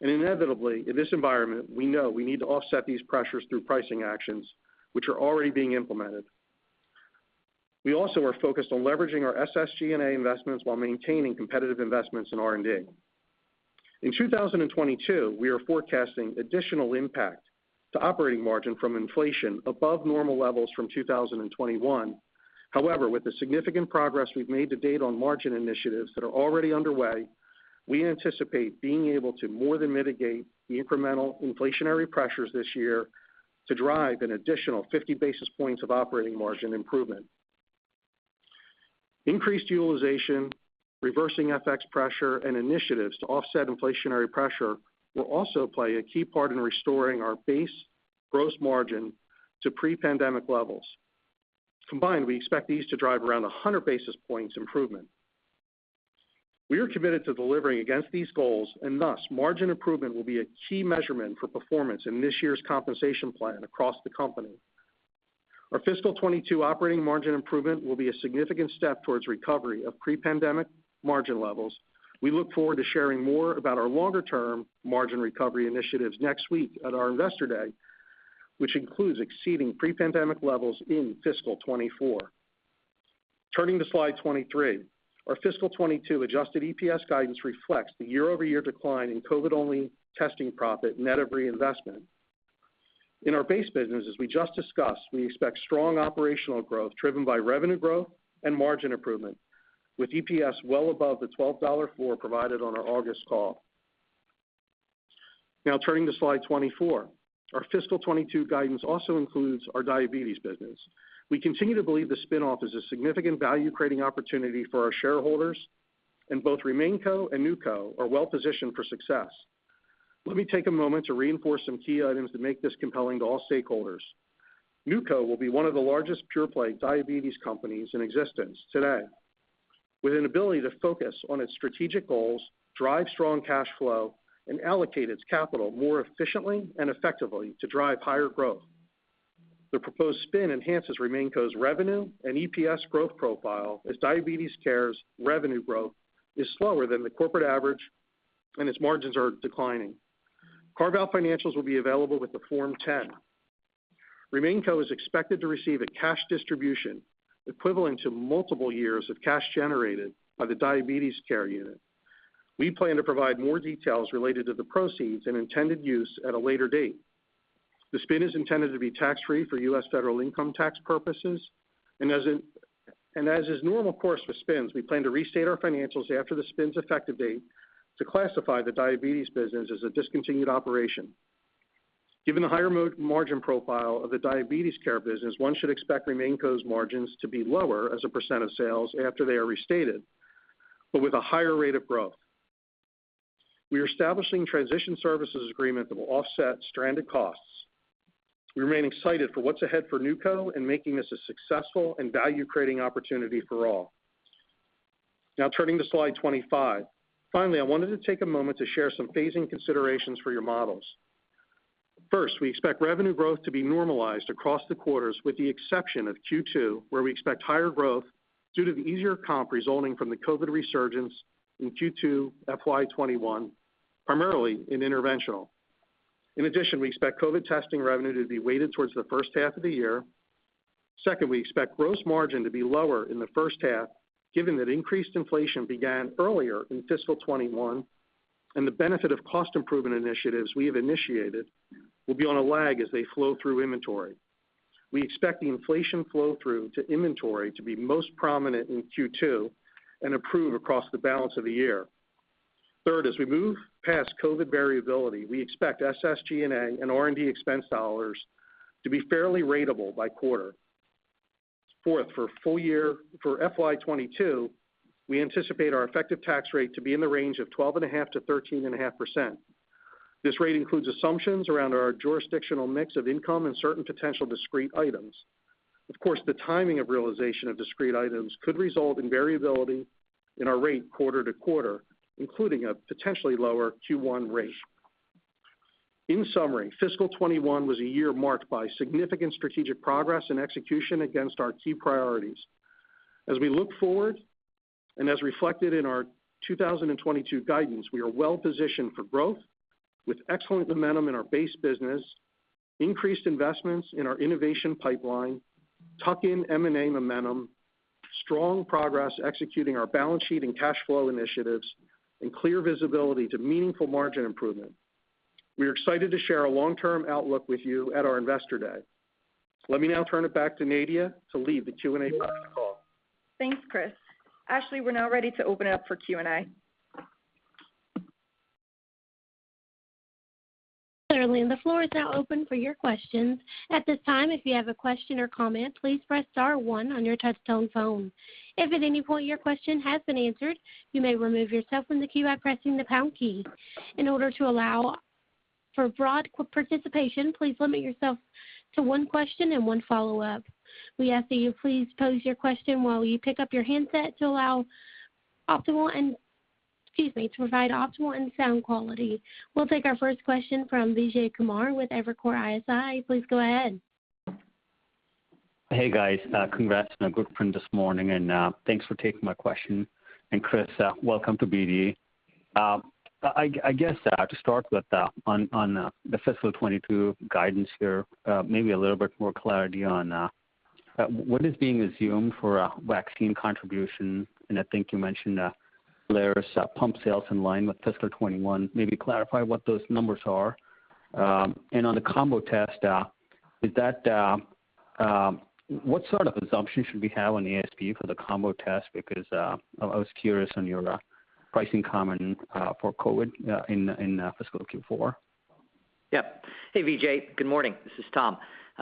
Inevitably, in this environment, we know we need to offset these pressures through pricing actions which are already being implemented. We also are focused on leveraging our SG&A investments while maintaining competitive investments in R&D. In 2022, we are forecasting additional impact to operating margin from inflation above normal levels from 2021. However, with the significant progress we've made to date on margin initiatives that are already underway, we anticipate being able to more than mitigate the incremental inflationary pressures this year to drive an additional 50 basis points of operating margin improvement. Increased utilization, reversing FX pressure, and initiatives to offset inflationary pressure will also play a key part in restoring our base gross margin to pre-pandemic levels. Combined, we expect these to drive around 100 basis points improvement. We are committed to delivering against these goals, and thus, margin improvement will be a key measurement for performance in this year's compensation plan across the company. Our FY 2022 operating margin improvement will be a significant step towards recovery of pre-pandemic margin levels. We look forward to sharing more about our longer-term margin recovery initiatives next week at our Investor Day, which includes exceeding pre-pandemic levels in FY 2024. Turning to slide 23. Our FY 2022 adjusted EPS guidance reflects the year-over-year decline in COVID-only testing profit net of reinvestment. In our base business, as we just discussed, we expect strong operational growth driven by revenue growth and margin improvement, with EPS well above the $12.40 provided on our August call. Now turning to slide 24. Our FY 2022 guidance also includes our diabetes business. We continue to believe the spin-off is a significant value-creating opportunity for our shareholders, and both RemainCo and NewCo are well positioned for success. Let me take a moment to reinforce some key items that make this compelling to all stakeholders. NewCo will be one of the largest pure play diabetes companies in existence today, with an ability to focus on its strategic goals, drive strong cash flow, and allocate its capital more efficiently and effectively to drive higher growth. The proposed spin enhances RemainCo's revenue and EPS growth profile as diabetes care's revenue growth is slower than the corporate average and its margins are declining. Carve-out financials will be available with the Form 10. RemainCo is expected to receive a cash distribution equivalent to multiple years of cash generated by the diabetes care unit. We plan to provide more details related to the proceeds and intended use at a later date. The spin is intended to be tax-free for U.S. federal income tax purposes. As is normal course with spins, we plan to restate our financials after the spin's effective date to classify the diabetes business as a discontinued operation. Given the higher margin profile of the diabetes care business, one should expect RemainCo's margins to be lower as a % of sales after they are restated, but with a higher rate of growth. We are establishing a transition services agreement that will offset stranded costs. We remain excited for what's ahead for NewCo and making this a successful and value-creating opportunity for all. Now turning to slide 25. Finally, I wanted to take a moment to share some phasing considerations for your models. First, we expect revenue growth to be normalized across the quarters, with the exception of Q2, where we expect higher growth due to the easier comp resulting from the COVID resurgence in Q2 FY 2021, primarily in interventional. In addition, we expect COVID testing revenue to be weighted towards the first half of the year. Second, we expect gross margin to be lower in the first half, given that increased inflation began earlier in fiscal 2021, and the benefit of cost improvement initiatives we have initiated will be on a lag as they flow through inventory. We expect the inflation flow-through to inventory to be most prominent in Q2 and improve across the balance of the year. Third, as we move past COVID variability, we expect SG&A and R&D expense dollars to be fairly ratable by quarter. Fourth, for FY 2022, we anticipate our effective tax rate to be in the range of 12.5%-13.5%. This rate includes assumptions around our jurisdictional mix of income and certain potential discrete items. Of course, the timing of realization of discrete items could result in variability in our rate quarter to quarter, including a potentially lower Q1 rate. In summary, fiscal 2021 was a year marked by significant strategic progress and execution against our key priorities. As we look forward, and as reflected in our 2022 guidance, we are well positioned for growth with excellent momentum in our base business, increased investments in our innovation pipeline, tuck-in M&A momentum, strong progress executing our balance sheet and cash flow initiatives, and clear visibility to meaningful margin improvement. We are excited to share a long-term outlook with you at our Investor Day. Let me now turn it back to Nadia to lead the Q&A part of the call. Thanks, Chris. Ashley, we're now ready to open it up for Q&A. Certainly. The floor is now open for your questions. At this time, if you have a question or comment, please press star one on your touchtone phone. If at any point your question has been answered, you may remove yourself from the queue by pressing the pound key. In order to allow for broad Q&A participation, please limit yourself to one question and one follow-up. We ask that you please pose your question while you pick up your handset to provide optimal sound quality. We'll take our first question from Vijay Kumar with Evercore ISI. Please go ahead. Hey, guys. Congrats on a good print this morning, and thanks for taking my question. Chris, welcome to BD. I guess to start with on the fiscal 2022 guidance here, maybe a little bit more clarity on what is being assumed for a vaccine contribution. I think you mentioned Alaris pump sales in line with fiscal 2021. Maybe clarify what those numbers are. On the combo test, what sort of assumption should we have on the ASP for the combo test? Because I was curious on your pricing comment for COVID in fiscal Q4. Yeah. Hey, Vijay. Good morning. This is Tom.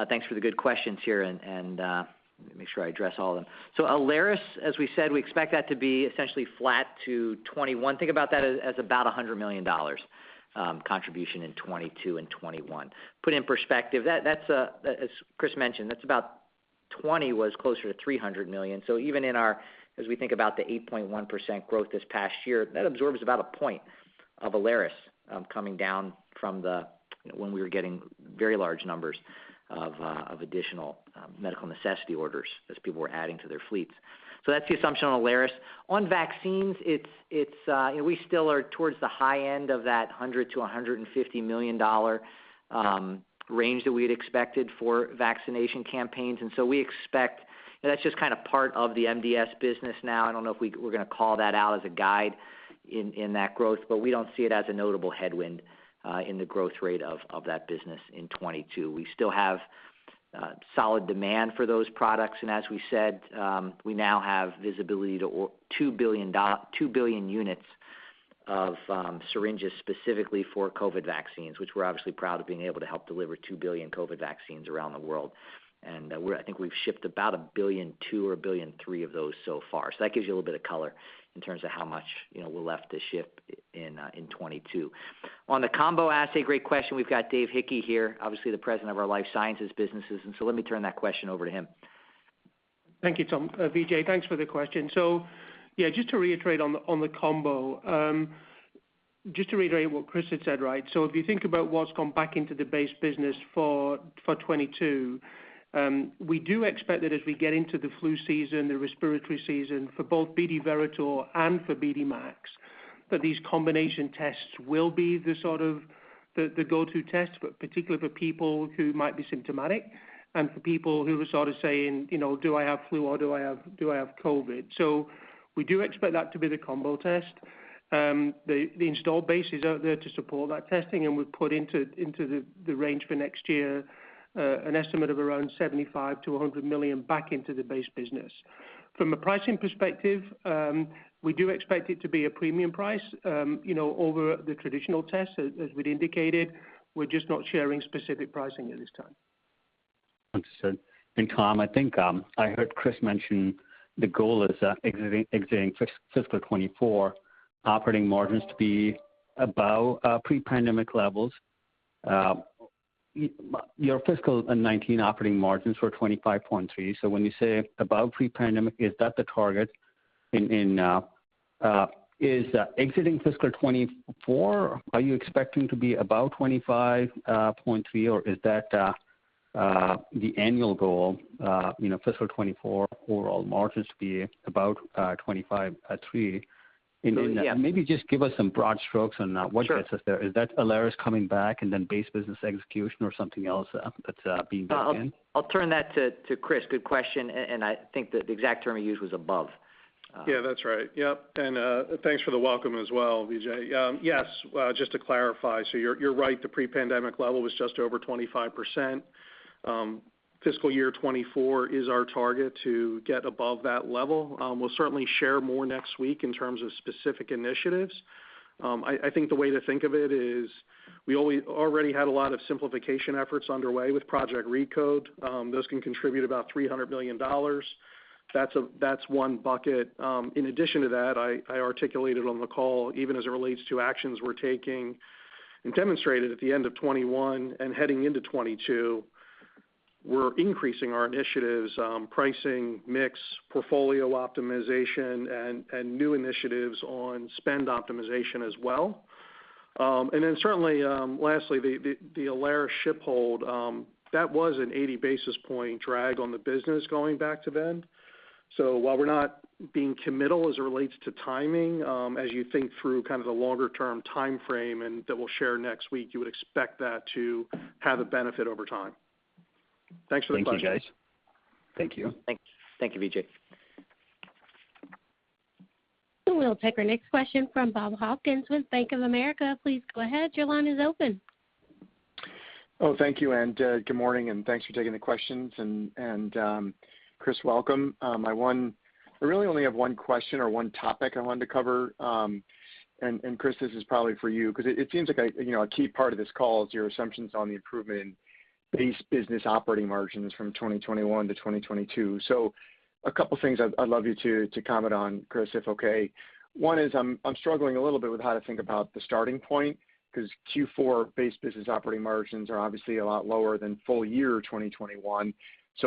Thanks for the good questions here, and let me make sure I address all of them. Alaris, as we said, we expect that to be essentially flat to 2021. Think about that as about $100 million contribution in 2022 and 2021. Put in perspective, that's, as Chris mentioned, that's about 2020 was closer to $300 million. Even as we think about the 8.1% growth this past year, that absorbs about a point of Alaris coming down from when we were getting very large numbers of additional medical necessity orders as people were adding to their fleets. That's the assumption on Alaris. On vaccines, we still are towards the high end of that $100-$150 million range that we had expected for vaccination campaigns. We expect that's just kind of part of the MDS business now. I don't know if we're gonna call that out as a guide in that growth, but we don't see it as a notable headwind in the growth rate of that business in 2022. We still have solid demand for those products. As we said, we now have visibility to 2 billion units of syringes specifically for COVID vaccines, which we're obviously proud of being able to help deliver 2 billion COVID vaccines around the world. I think we've shipped about 1.2 billion or 1.3 billion of those so far. That gives you a little bit of color in terms of how much, you know, we're left to ship in 2022. On the combo assay, great question. We've got Dave Hickey here, obviously the president of our Life Sciences businesses, and so let me turn that question over to him. Thank you, Tom. Vijay, thanks for the question. Yeah, just to reiterate on the combo. Just to reiterate what Chris had said, right? If you think about what's gone back into the base business for 2022, we do expect that as we get into the flu season, the respiratory season, for both BD Veritor and for BD Max, that these combination tests will be the go-to test, but particularly for people who might be symptomatic and for people who are sort of saying, you know, "Do I have flu or do I have COVID?" We do expect that to be the combo test. The install base is out there to support that testing, and we've put into the range for next year an estimate of around $75 million-$100 million back into the base business. From a pricing perspective, we do expect it to be a premium price, you know, over the traditional test, as we'd indicated. We're just not sharing specific pricing at this time. Understood. Tom, I think I heard Chris mention the goal is exiting fiscal 2024 operating margins to be above pre-pandemic levels. Your fiscal 2019 operating margins were 25.3%. So when you say above pre-pandemic, is that the target? Is exiting fiscal 2024, are you expecting to be above 25.3%, or is that the annual goal, you know, fiscal 2024 overall margins to be above 25.3%? Yeah. Maybe just give us some broad strokes on Sure... what gets us there. Is that Alaris coming back and then base business execution or something else that's being baked in? I'll turn that to Chris. Good question and I think the exact term you used was above. Yeah, that's right. Yep. Thanks for the welcome as well, Vijay. Yes, just to clarify, so you're right, the pre-pandemic level was just over 25%. FY 2024 is our target to get above that level. We'll certainly share more next week in terms of specific initiatives. I think the way to think of it is we already had a lot of simplification efforts underway with Project Recode. Those can contribute about $300 million. That's one bucket. In addition to that, I articulated on the call, even as it relates to actions we're taking and demonstrated at the end of 2021 and heading into 2022, we're increasing our initiatives, pricing, mix, portfolio optimization and new initiatives on spend optimization as well. Certainly, lastly, the Alaris ship hold that was an 80 basis points drag on the business going back to then. While we're not being committal as it relates to timing, as you think through kind of the longer term timeframe and that we'll share next week, you would expect that to have a benefit over time. Thanks for the question. Thank you, guys. Thank you. Thank you. Thank you, Vijay. We'll take our next question from Bob Hopkins with Bank of America. Please go ahead. Your line is open. Oh, thank you, good morning, and thanks for taking the questions. Chris, welcome. I really only have one question or one topic I wanted to cover. Chris, this is probably for you because it seems like a key part of this call is your assumptions on the improvement in base business operating margins from 2021 to 2022. A couple things I'd love you to comment on, Chris, if okay. One is I'm struggling a little bit with how to think about the starting point because Q4 base business operating margins are obviously a lot lower than full year 2021.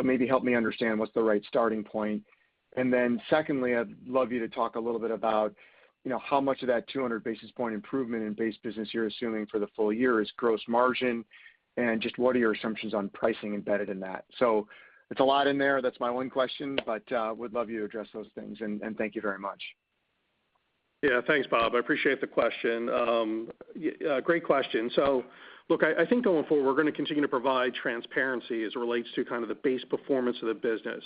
Maybe help me understand what's the right starting point. Then secondly, I'd love you to talk a little bit about, you know, how much of that 200 basis points improvement in base business you're assuming for the full year is gross margin, and just what are your assumptions on pricing embedded in that? It's a lot in there. That's my one question, but would love you to address those things and thank you very much. Yeah. Thanks, Bob. I appreciate the question. Great question. Look, I think going forward, we're gonna continue to provide transparency as it relates to kind of the base performance of the business.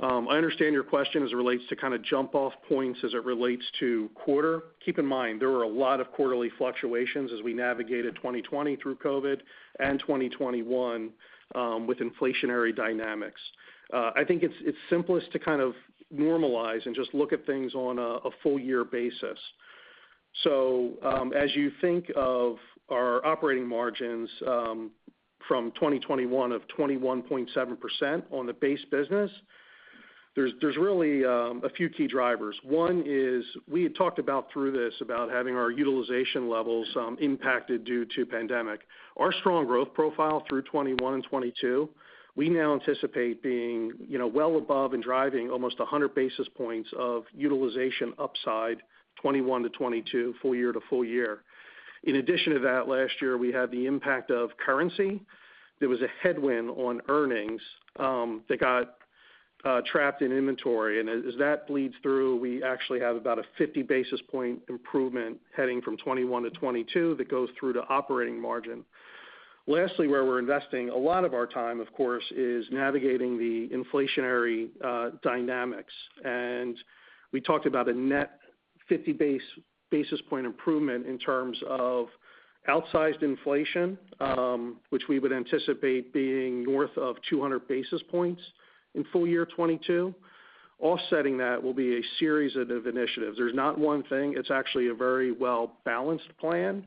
I understand your question as it relates to kind of jump off points as it relates to quarter. Keep in mind, there were a lot of quarterly fluctuations as we navigated 2020 through COVID and 2021, with inflationary dynamics. I think it's simplest to kind of normalize and just look at things on a full year basis. As you think of our operating margins, from 2021 of 21.7% on the base business. There's really a few key drivers. One is we had talked about through this about having our utilization levels, impacted due to pandemic. Our strong growth profile through 2021 and 2022, we now anticipate being well above and driving almost 100 basis points of utilization upside 2021 to 2022, full year to full year. In addition to that, last year, we had the impact of currency. There was a headwind on earnings that got trapped in inventory. As that bleeds through, we actually have about a 50 basis point improvement heading from 2021 to 2022 that goes through to operating margin. Lastly, where we're investing a lot of our time, of course, is navigating the inflationary dynamics. We talked about a net 50 basis point improvement in terms of outsized inflation, which we would anticipate being north of 200 basis points in full year 2022. Offsetting that will be a series of initiatives. There's not one thing. It's actually a very well-balanced plan.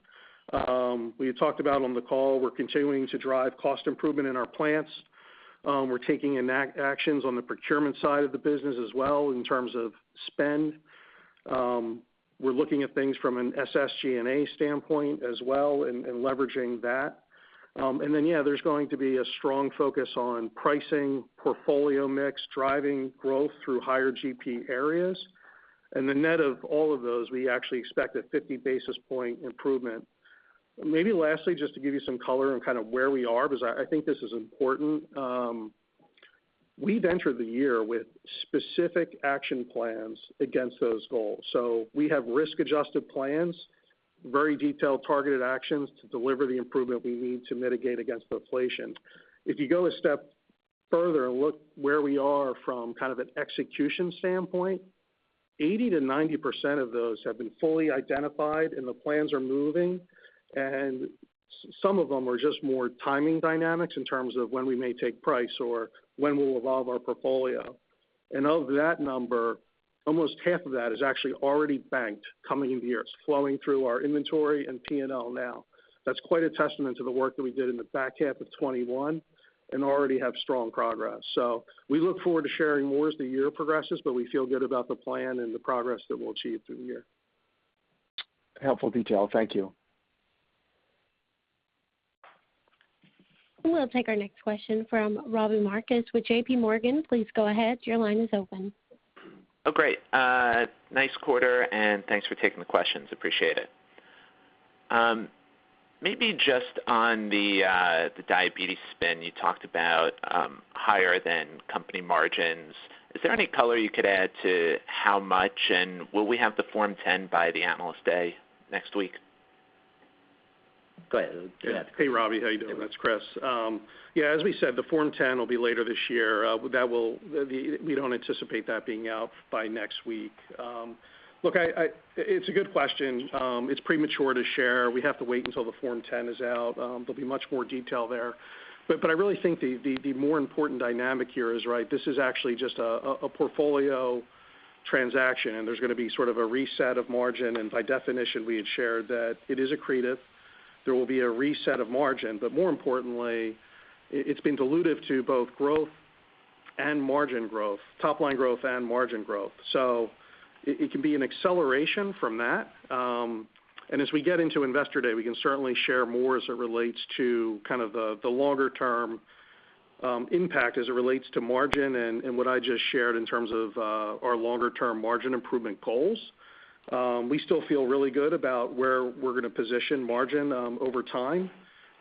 We had talked about on the call, we're continuing to drive cost improvement in our plants. We're taking actions on the procurement side of the business as well in terms of spend. We're looking at things from an SG&A standpoint as well and leveraging that. Yeah, there's going to be a strong focus on pricing, portfolio mix, driving growth through higher GP areas. The net of all of those, we actually expect a 50 basis point improvement. Maybe lastly, just to give you some color on kind of where we are, because I think this is important. We've entered the year with specific action plans against those goals. We have risk-adjusted plans, very detailed targeted actions to deliver the improvement we need to mitigate against inflation. If you go a step further and look where we are from kind of an execution standpoint, 80%-90% of those have been fully identified and the plans are moving, and some of them are just more timing dynamics in terms of when we may take price or when we'll evolve our portfolio. Of that number, almost half of that is actually already banked coming into the year. It's flowing through our inventory and P&L now. That's quite a testament to the work that we did in the back half of 2021 and already have strong progress. We look forward to sharing more as the year progresses, but we feel good about the plan and the progress that we'll achieve through the year. Helpful detail. Thank you. We'll take our next question from Robbie Marcus with J.P. Morgan. Please go ahead. Your line is open. Oh, great. Nice quarter, and thanks for taking the questions. Appreciate it. Maybe just on the diabetes spin, you talked about higher than company margins. Is there any color you could add to how much, and will we have the Form 10 by the Analyst Day next week? Go ahead. Hey, Robbie. How you doing? It's Chris. Yeah, as we said, the Form 10 will be later this year. We don't anticipate that being out by next week. Look, it's a good question. It's premature to share. We have to wait until the Form 10 is out. There'll be much more detail there. I really think the more important dynamic here is, right, this is actually just a portfolio transaction, and there's gonna be sort of a reset of margin. We had shared that it is accretive. There will be a reset of margin. More importantly, it's been dilutive to both growth and margin growth, top line growth and margin growth. It can be an acceleration from that. As we get into Investor Day, we can certainly share more as it relates to kind of the longer-term impact as it relates to margin and what I just shared in terms of our longer-term margin improvement goals. We still feel really good about where we're gonna position margin over time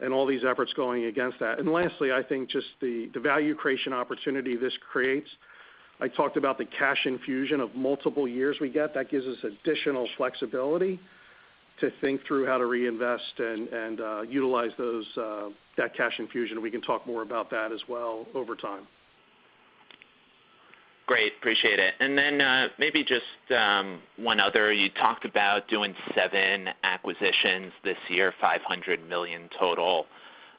and all these efforts going against that. Lastly, I think just the value creation opportunity this creates. I talked about the cash infusion of multiple years we get. That gives us additional flexibility to think through how to reinvest and utilize that cash infusion. We can talk more about that as well over time. Great. Appreciate it. Then, maybe just one other. You talked about doing seven acquisitions this year, $500 million total.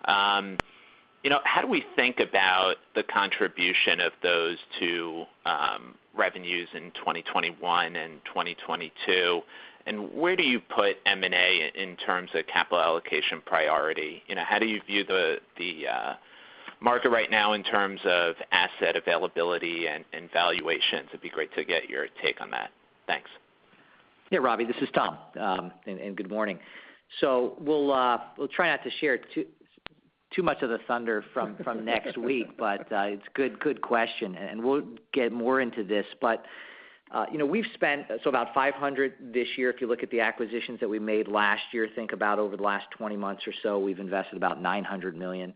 You know, how do we think about the contribution of those to revenues in 2021 and 2022? Where do you put M&A in terms of capital allocation priority? You know, how do you view the market right now in terms of asset availability and valuations? It'd be great to get your take on that. Thanks. Yeah, Robbie, this is Tom and good morning. We'll try not to share too much of the thunder from next week, but it's a good question, and we'll get more into this. You know, we've spent so about $500 million this year, if you look at the acquisitions that we made last year. Think about over the last 20 months or so, we've invested about $900 million.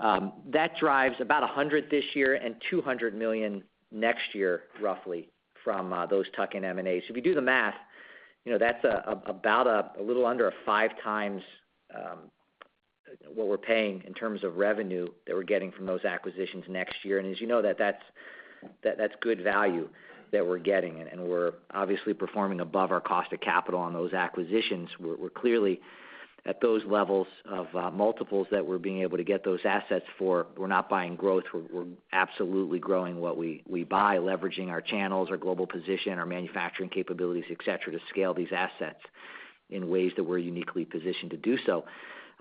That drives about $100 million this year and $200 million next year, roughly from those tuck-in M&As. If you do the math, you know, that's about a little under a 5x what we're paying in terms of revenue that we're getting from those acquisitions next year. As you know, that's good value that we're getting, and we're obviously performing above our cost of capital on those acquisitions. We're clearly at those levels of multiples that we're being able to get those assets for. We're not buying growth. We're absolutely growing what we buy, leveraging our channels, our global position, our manufacturing capabilities, et cetera, to scale these assets in ways that we're uniquely positioned to do so.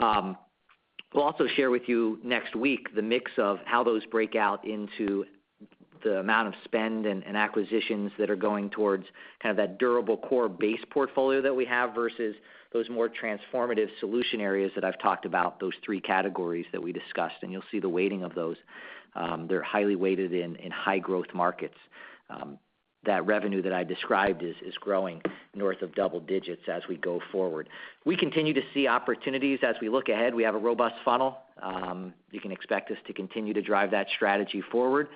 We'll also share with you next week the mix of how those break out into the amount of spend and acquisitions that are going towards kind of that durable core base portfolio that we have versus those more transformative solution areas that I've talked about, those three categories that we discussed, and you'll see the weighting of those. They're highly weighted in high growth markets. That revenue that I described is growing north of double digits as we go forward. We continue to see opportunities as we look ahead. We have a robust funnel. You can expect us to continue to drive that strategy forward.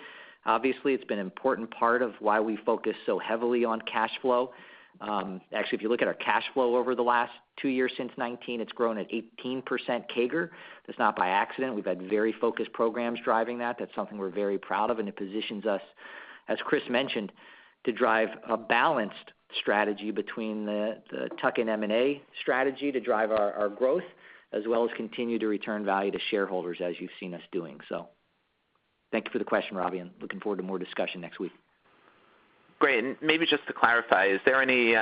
Obviously, it's been an important part of why we focus so heavily on cash flow. Actually, if you look at our cash flow over the last two years since 2019, it's grown at 18% CAGR. That's not by accident. We've had very focused programs driving that. That's something we're very proud of, and it positions us, as Chris mentioned, to drive a balanced strategy between the tuck-in M&A strategy to drive our growth, as well as continue to return value to shareholders as you've seen us doing. Thank you for the question, Robbie, and looking forward to more discussion next week. Great. Maybe just to clarify, is there any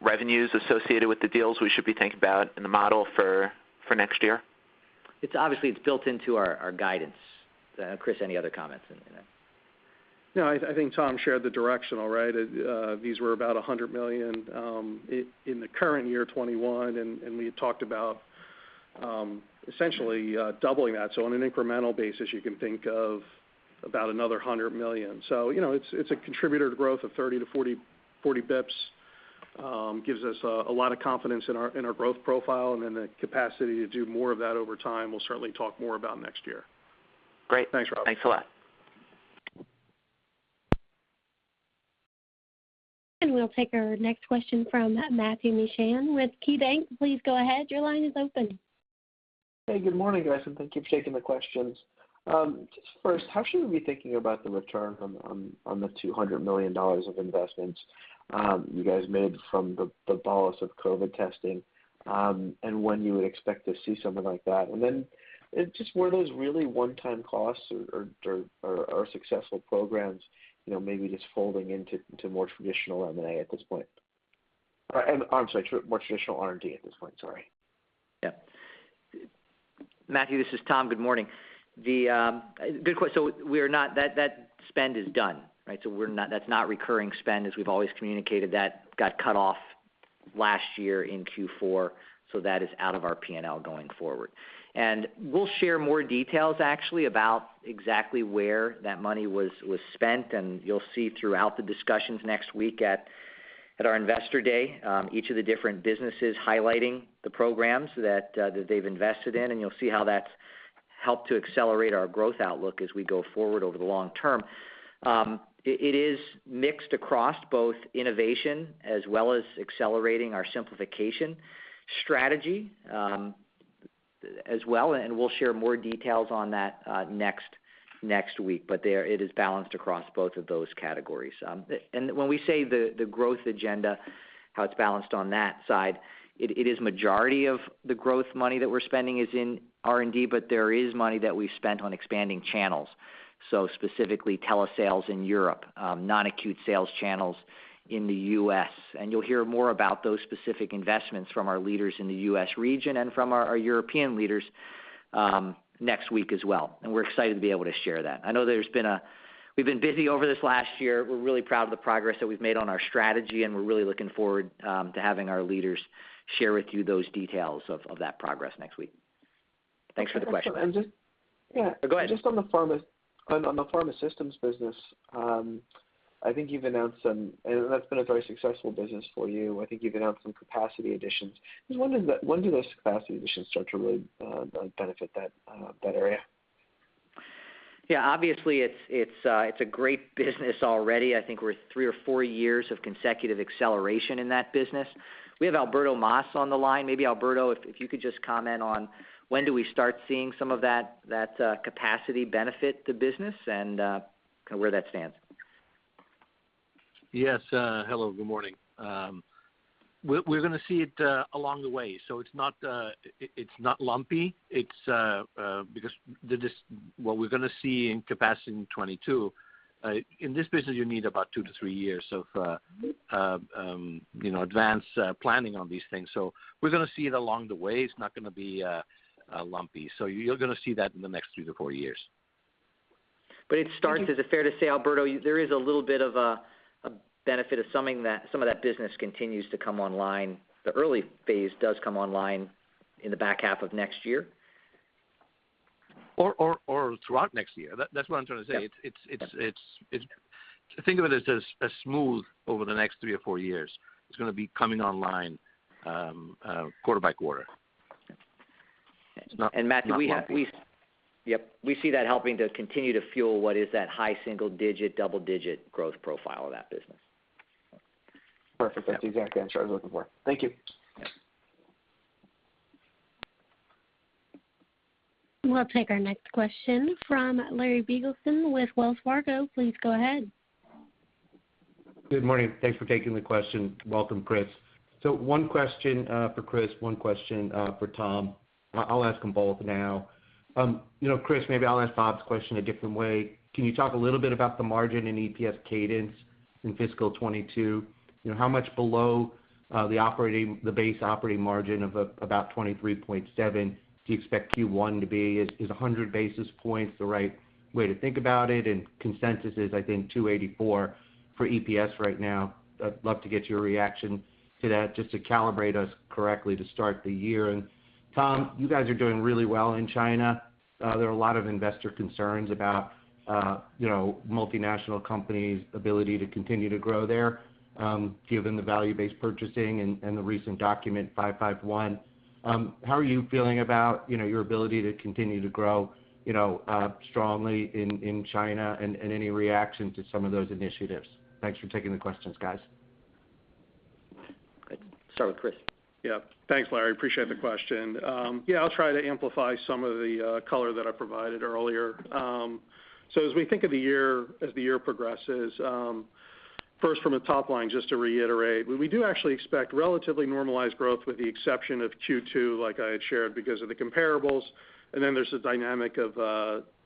revenues associated with the deals we should be thinking about in the model for next year? It's obviously built into our guidance. Chris, any other comments on that? No, I think Tom shared the directional, right? These were about $100 million in the current year 2021, and we had talked about essentially doubling that. On an incremental basis, you can think of about another $100 million. You know, it's a contributor to growth of 30-40 basis points. It gives us a lot of confidence in our growth profile and in the capacity to do more of that over time. We'll certainly talk more about next year. Great. Thanks, Robbie. Thanks a lot. We'll take our next question from Matthew Mishan with KeyBanc. Please go ahead. Your line is open. Hey, good morning, guys, and thank you for taking the questions. Just first, how should we be thinking about the return on the $200 million of investments you guys made from the bolus of COVID testing, and when you would expect to see something like that? Just were those really one-time costs or are successful programs, you know, maybe just folding into more traditional M&A at this point? Or more traditional R&D at this point, sorry. Yeah. Matthew, this is Tom. Good morning. Good question. That spend is done, right? That's not recurring spend, as we've always communicated. That got cut off last year in Q4, so that is out of our P&L going forward. We'll share more details actually about exactly where that money was spent, and you'll see throughout the discussions next week at our Investor Day, each of the different businesses highlighting the programs that they've invested in, and you'll see how that's helped to accelerate our growth outlook as we go forward over the long term. It is mixed across both innovation as well as accelerating our simplification strategy, as well, and we'll share more details on that next week. It is balanced across both of those categories. When we say the growth agenda, how it's balanced on that side, it is majority of the growth money that we're spending is in R&D, but there is money that we've spent on expanding channels, so specifically telesales in Europe, non-acute sales channels in the U.S. You'll hear more about those specific investments from our leaders in the U.S. region and from our European leaders next week as well, and we're excited to be able to share that. I know there's been. We've been busy over this last year. We're really proud of the progress that we've made on our strategy, and we're really looking forward to having our leaders share with you those details of that progress next week. Thanks for the question, Matthew. Yeah. Go ahead. On the Pharmaceutical Systems business, I think you've announced some. That's been a very successful business for you. I think you've announced some capacity additions. I was wondering that when do those capacity additions start to really benefit that area? Yeah. Obviously, it's a great business already. I think we're three or four years of consecutive acceleration in that business. We have Alberto Mas on the line. Maybe Alberto, if you could just comment on when do we start seeing some of that capacity benefit the business and kind of where that stands? Yes. Hello, good morning. We're gonna see it along the way. It's not lumpy. It's because what we're gonna see in capacity in 2022 in this business, you need about two to three years of, you know, advanced planning on these things. We're gonna see it along the way. It's not gonna be lumpy. You're gonna see that in the next three to four years. Is it fair to say, Alberto, there is a little bit of a benefit assuming that some of that business continues to come online, the early phase does come online in the back half of next year? Throughout next year. That's what I'm trying to say. Yeah. Think of it as smooth over the next three or four years. It's gonna be coming online, quarter by quarter. Okay. It's not lumpy. Matthew, we see that helping to continue to fuel what is that high single-digit, double-digit growth profile of that business. Perfect. Yeah. That's exactly the answer I was looking for. Thank you. Yeah. We'll take our next question from Larry Biegelsen with Wells Fargo. Please go ahead. Good morning. Thanks for taking the question. Welcome, Chris. One question for Chris, one question for Tom. I'll ask them both now. You know, Chris, maybe I'll ask Bob's question a different way. Can you talk a little bit about the margin in EPS cadence in fiscal 2022? You know, how much below the base operating margin of about 23.7% do you expect Q1 to be? Is 100 basis points the right way to think about it? Consensus is, I think, 2.84 for EPS right now. I'd love to get your reaction to that just to calibrate us correctly to start the year. Tom, you guys are doing really well in China. There are a lot of investor concerns about, you know, multinational companies' ability to continue to grow there, given the value-based purchasing and the recent Document 551. How are you feeling about, you know, your ability to continue to grow, you know, strongly in China and any reaction to some of those initiatives? Thanks for taking the questions, guys. Start with Chris. Yeah. Thanks, Larry. Appreciate the question. Yeah, I'll try to amplify some of the color that I provided earlier. So as we think of the year, as the year progresses, first from a top line, just to reiterate, we do actually expect relatively normalized growth with the exception of Q2, like I had shared, because of the comparables. There's the dynamic of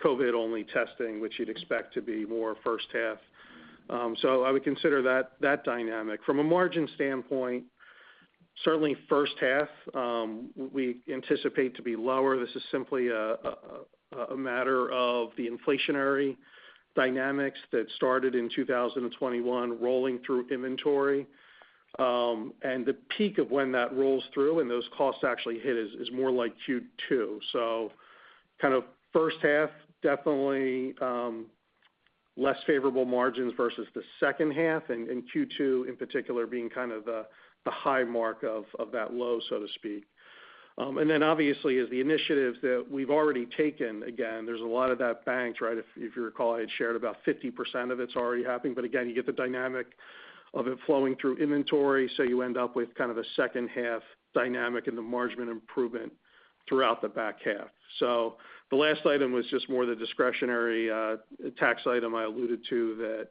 COVID-only testing, which you'd expect to be more first half. So I would consider that dynamic. From a margin standpoint, certainly first half, we anticipate to be lower. This is simply a matter of the inflationary dynamics that started in 2021 rolling through inventory. The peak of when that rolls through and those costs actually hit is more like Q2. Kind of first half, definitely, less favorable margins versus the second half, and Q2 in particular being kind of the high mark of that low, so to speak. Then obviously as the initiatives that we've already taken, again, there's a lot of that banked, right? If you recall, I had shared about 50% of it is already happening, but again, you get the dynamic of it flowing through inventory, so you end up with kind of a second half dynamic in the margin improvement throughout the back half. The last item was just more the discretionary tax item I alluded to that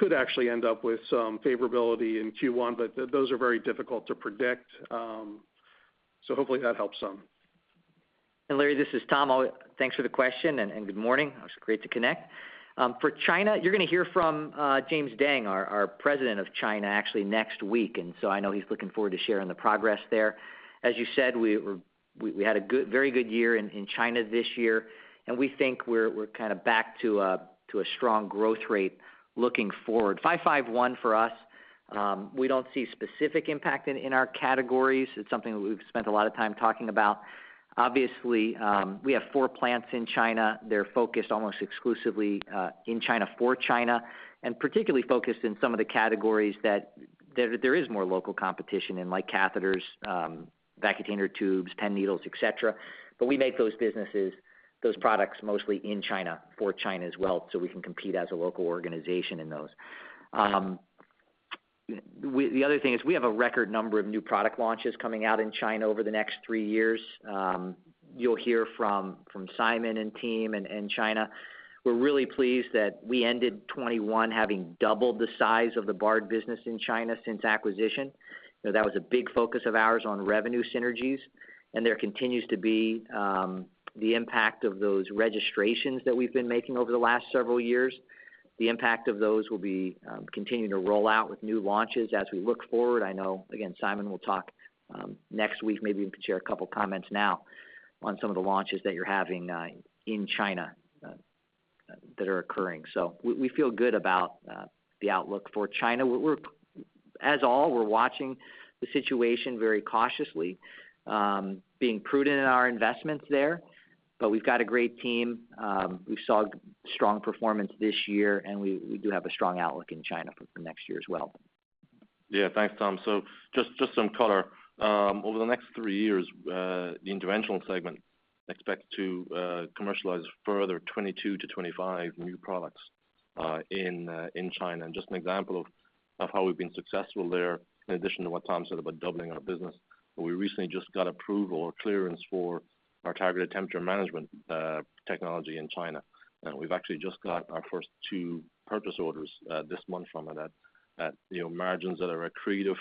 could actually end up with some favorability in Q1, but those are very difficult to predict. Hopefully that helps some. Larry, this is Tom. Thanks for the question and good morning. It's great to connect. For China, you're gonna hear from Simon Deng, our president of China, actually next week. I know he's looking forward to sharing the progress there. As you said, we had a very good year in China this year, and we think we're kind of back to a strong growth rate looking forward. Document 551 for us, we don't see specific impact in our categories. It's something that we've spent a lot of time talking about. Obviously, we have four plants in China. They're focused almost exclusively in China for China, and particularly focused in some of the categories that there is more local competition in like catheters, vacutainer tubes, pen needles, et cetera. We make those businesses, those products mostly in China for China as well, so we can compete as a local organization in those. The other thing is we have a record number of new product launches coming out in China over the next three years. You'll hear from Simon and team in China. We're really pleased that we ended 2021 having doubled the size of the Bard business in China since acquisition. You know, that was a big focus of ours on revenue synergies, and there continues to be the impact of those registrations that we've been making over the last several years. The impact of those will be continuing to roll out with new launches as we look forward. I know, again, Simon will talk next week. Maybe we can share a couple comments now on some of the launches that you're having in China that are occurring. We feel good about the outlook for China. We're watching the situation very cautiously, being prudent in our investments there. We've got a great team. We saw strong performance this year, and we do have a strong outlook in China for next year as well. Yeah. Thanks, Tom. Just some color. Over the next three years, the Interventional Segment expect to commercialize further 22-25 new products in China. Just an example of how we've been successful there, in addition to what Tom said about doubling our business, we recently just got approval or clearance for our targeted temperature management technology in China. We've actually just got our first two purchase orders this month from it at you know margins that are accretive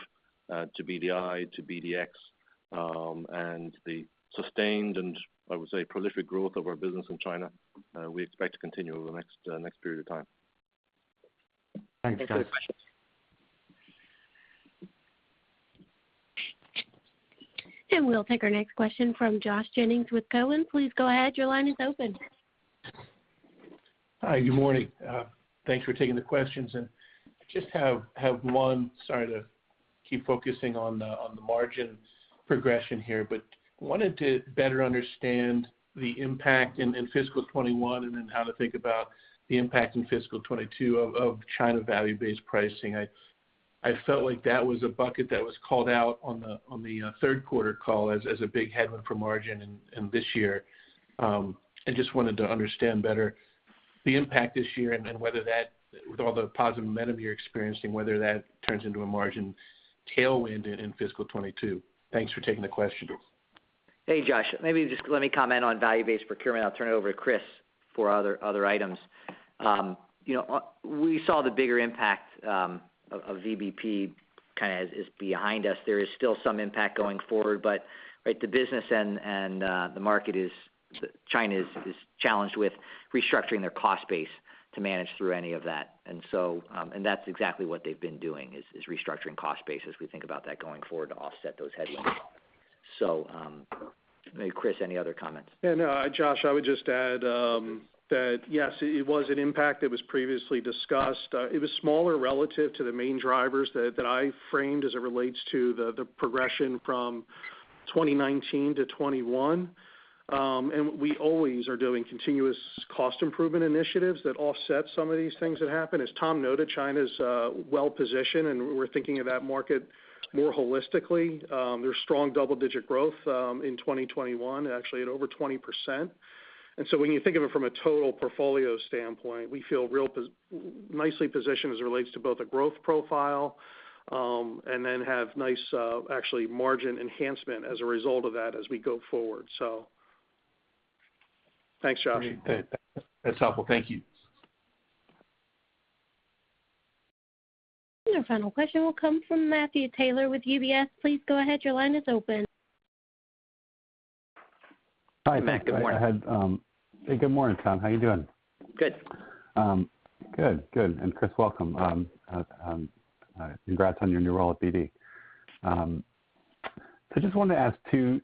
to BDI, to BDX. The sustained and I would say prolific growth of our business in China we expect to continue over the next period of time. Thanks, guys. Thanks for the question. We'll take our next question from Josh Jennings with Cowen. Please go ahead. Your line is open. Hi. Good morning. Thanks for taking the questions. I just have one. Sorry to keep focusing on the margins progression here, but wanted to better understand the impact in fiscal 2021 and then how to think about the impact in fiscal 2022 of China value-based pricing. I felt like that was a bucket that was called out on the third quarter call as a big headwind for margin in this year. Just wanted to understand better the impact this year and then whether that, with all the positive momentum you're experiencing, whether that turns into a margin tailwind in fiscal 2022. Thanks for taking the question. Hey, Josh. Maybe just let me comment on value-based procurement. I'll turn it over to Chris. Four other items. You know, we saw the bigger impact of VBP kind of is behind us. There is still some impact going forward, but the business and the market, China, is challenged with restructuring their cost base to manage through any of that. That's exactly what they've been doing, is restructuring cost base as we think about that going forward to offset those headwinds. Maybe Chris, any other comments? Yeah, no, Josh, I would just add that yes, it was an impact that was previously discussed. It was smaller relative to the main drivers that I framed as it relates to the progression from 2019 to 2021. We always are doing continuous cost improvement initiatives that offset some of these things that happen. As Tom noted, China's well-positioned, and we're thinking of that market more holistically. There's strong double-digit growth in 2021, actually at over 20%. When you think of it from a total portfolio standpoint, we feel nicely positioned as it relates to both a growth profile, and then have nice actually margin enhancement as a result of that as we go forward. Thanks, Josh. Great. That's helpful. Thank you. Your final question will come from Matthew Taylor with UBS. Please go ahead. Your line is open. Hi, Matt. Good morning. Hey, good morning, Tom. How are you doing? Good. Good. Chris, welcome. Congrats on your new role at BD. I just wanted to ask two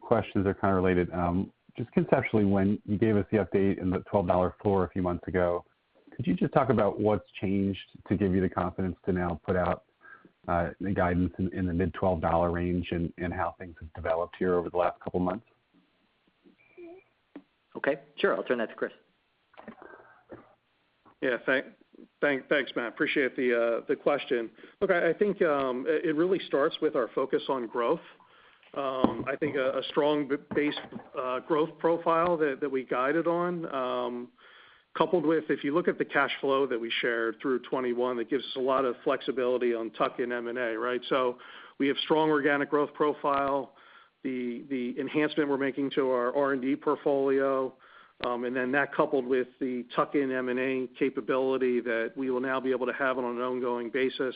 questions that are kind of related. Just conceptually, when you gave us the update in the $12 floor a few months ago, could you just talk about what's changed to give you the confidence to now put out the guidance in the mid-$12 range and how things have developed here over the last couple of months? Okay, sure. I'll turn that to Chris. Yeah, thanks, Matt. Appreciate the question. Look, I think it really starts with our focus on growth. I think a strong base growth profile that we guided on, coupled with, if you look at the cash flow that we shared through 2021, that gives us a lot of flexibility on tuck-in M&A, right? We have strong organic growth profile, the enhancement we're making to our R&D portfolio, and then that coupled with the tuck-in M&A capability that we will now be able to have on an ongoing basis.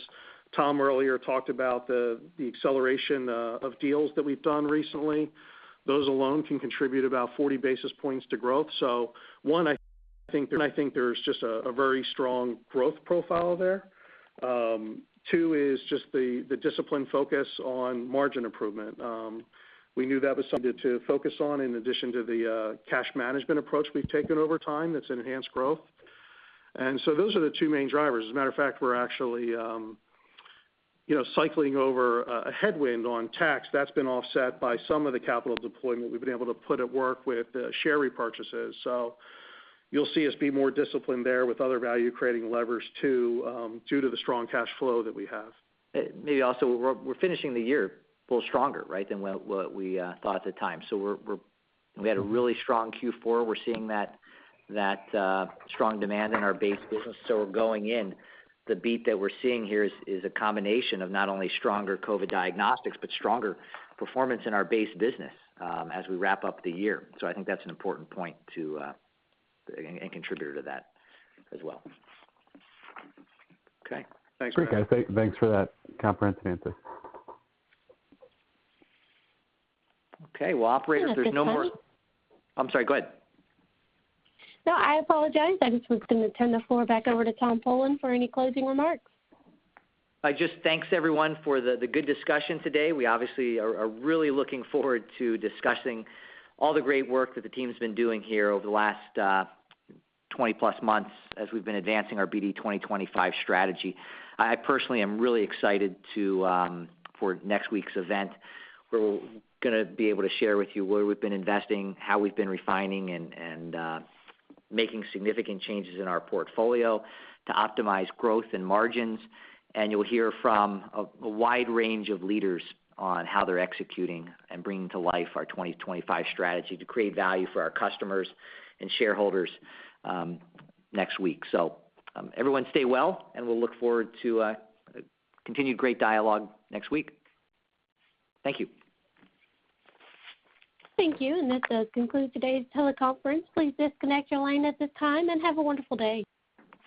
Tom earlier talked about the acceleration of deals that we've done recently. Those alone can contribute about 40 basis points to growth. One, I think there's just a very strong growth profile there. Two is just the disciplined focus on margin improvement. We knew that was something to focus on in addition to the cash management approach we've taken over time that's enhanced growth. Those are the two main drivers. As a matter of fact, we're actually, you know, cycling over a headwind on tax that's been offset by some of the capital deployment we've been able to put at work with share repurchases. You'll see us be more disciplined there with other value creating levers too, due to the strong cash flow that we have. Maybe also, we're finishing the year a little stronger, right, than what we thought at the time. We had a really strong Q4. We're seeing that strong demand in our base business. Going in, the beat that we're seeing here is a combination of not only stronger COVID diagnostics, but stronger performance in our base business, as we wrap up the year. I think that's an important point too and contributor to that as well. Okay. Thanks, Matt. Great, guys. Thanks for that comprehensive answer. Okay. Well, operators, if there's no more. Yeah, that's it, Tom. I'm sorry, go ahead. No, I apologize. I just was going to turn the floor back over to Tom Polen for any closing remarks. Thanks everyone for the good discussion today. We obviously are really looking forward to discussing all the great work that the team's been doing here over the last 20+ months as we've been advancing our BD 2025 strategy. I personally am really excited for next week's event. We're gonna be able to share with you where we've been investing, how we've been refining and making significant changes in our portfolio to optimize growth and margins. You'll hear from a wide range of leaders on how they're executing and bringing to life our 2025 strategy to create value for our customers and shareholders next week. Everyone stay well, and we'll look forward to continued great dialogue next week. Thank you. Thank you. That does conclude today's teleconference. Please disconnect your line at this time and have a wonderful day.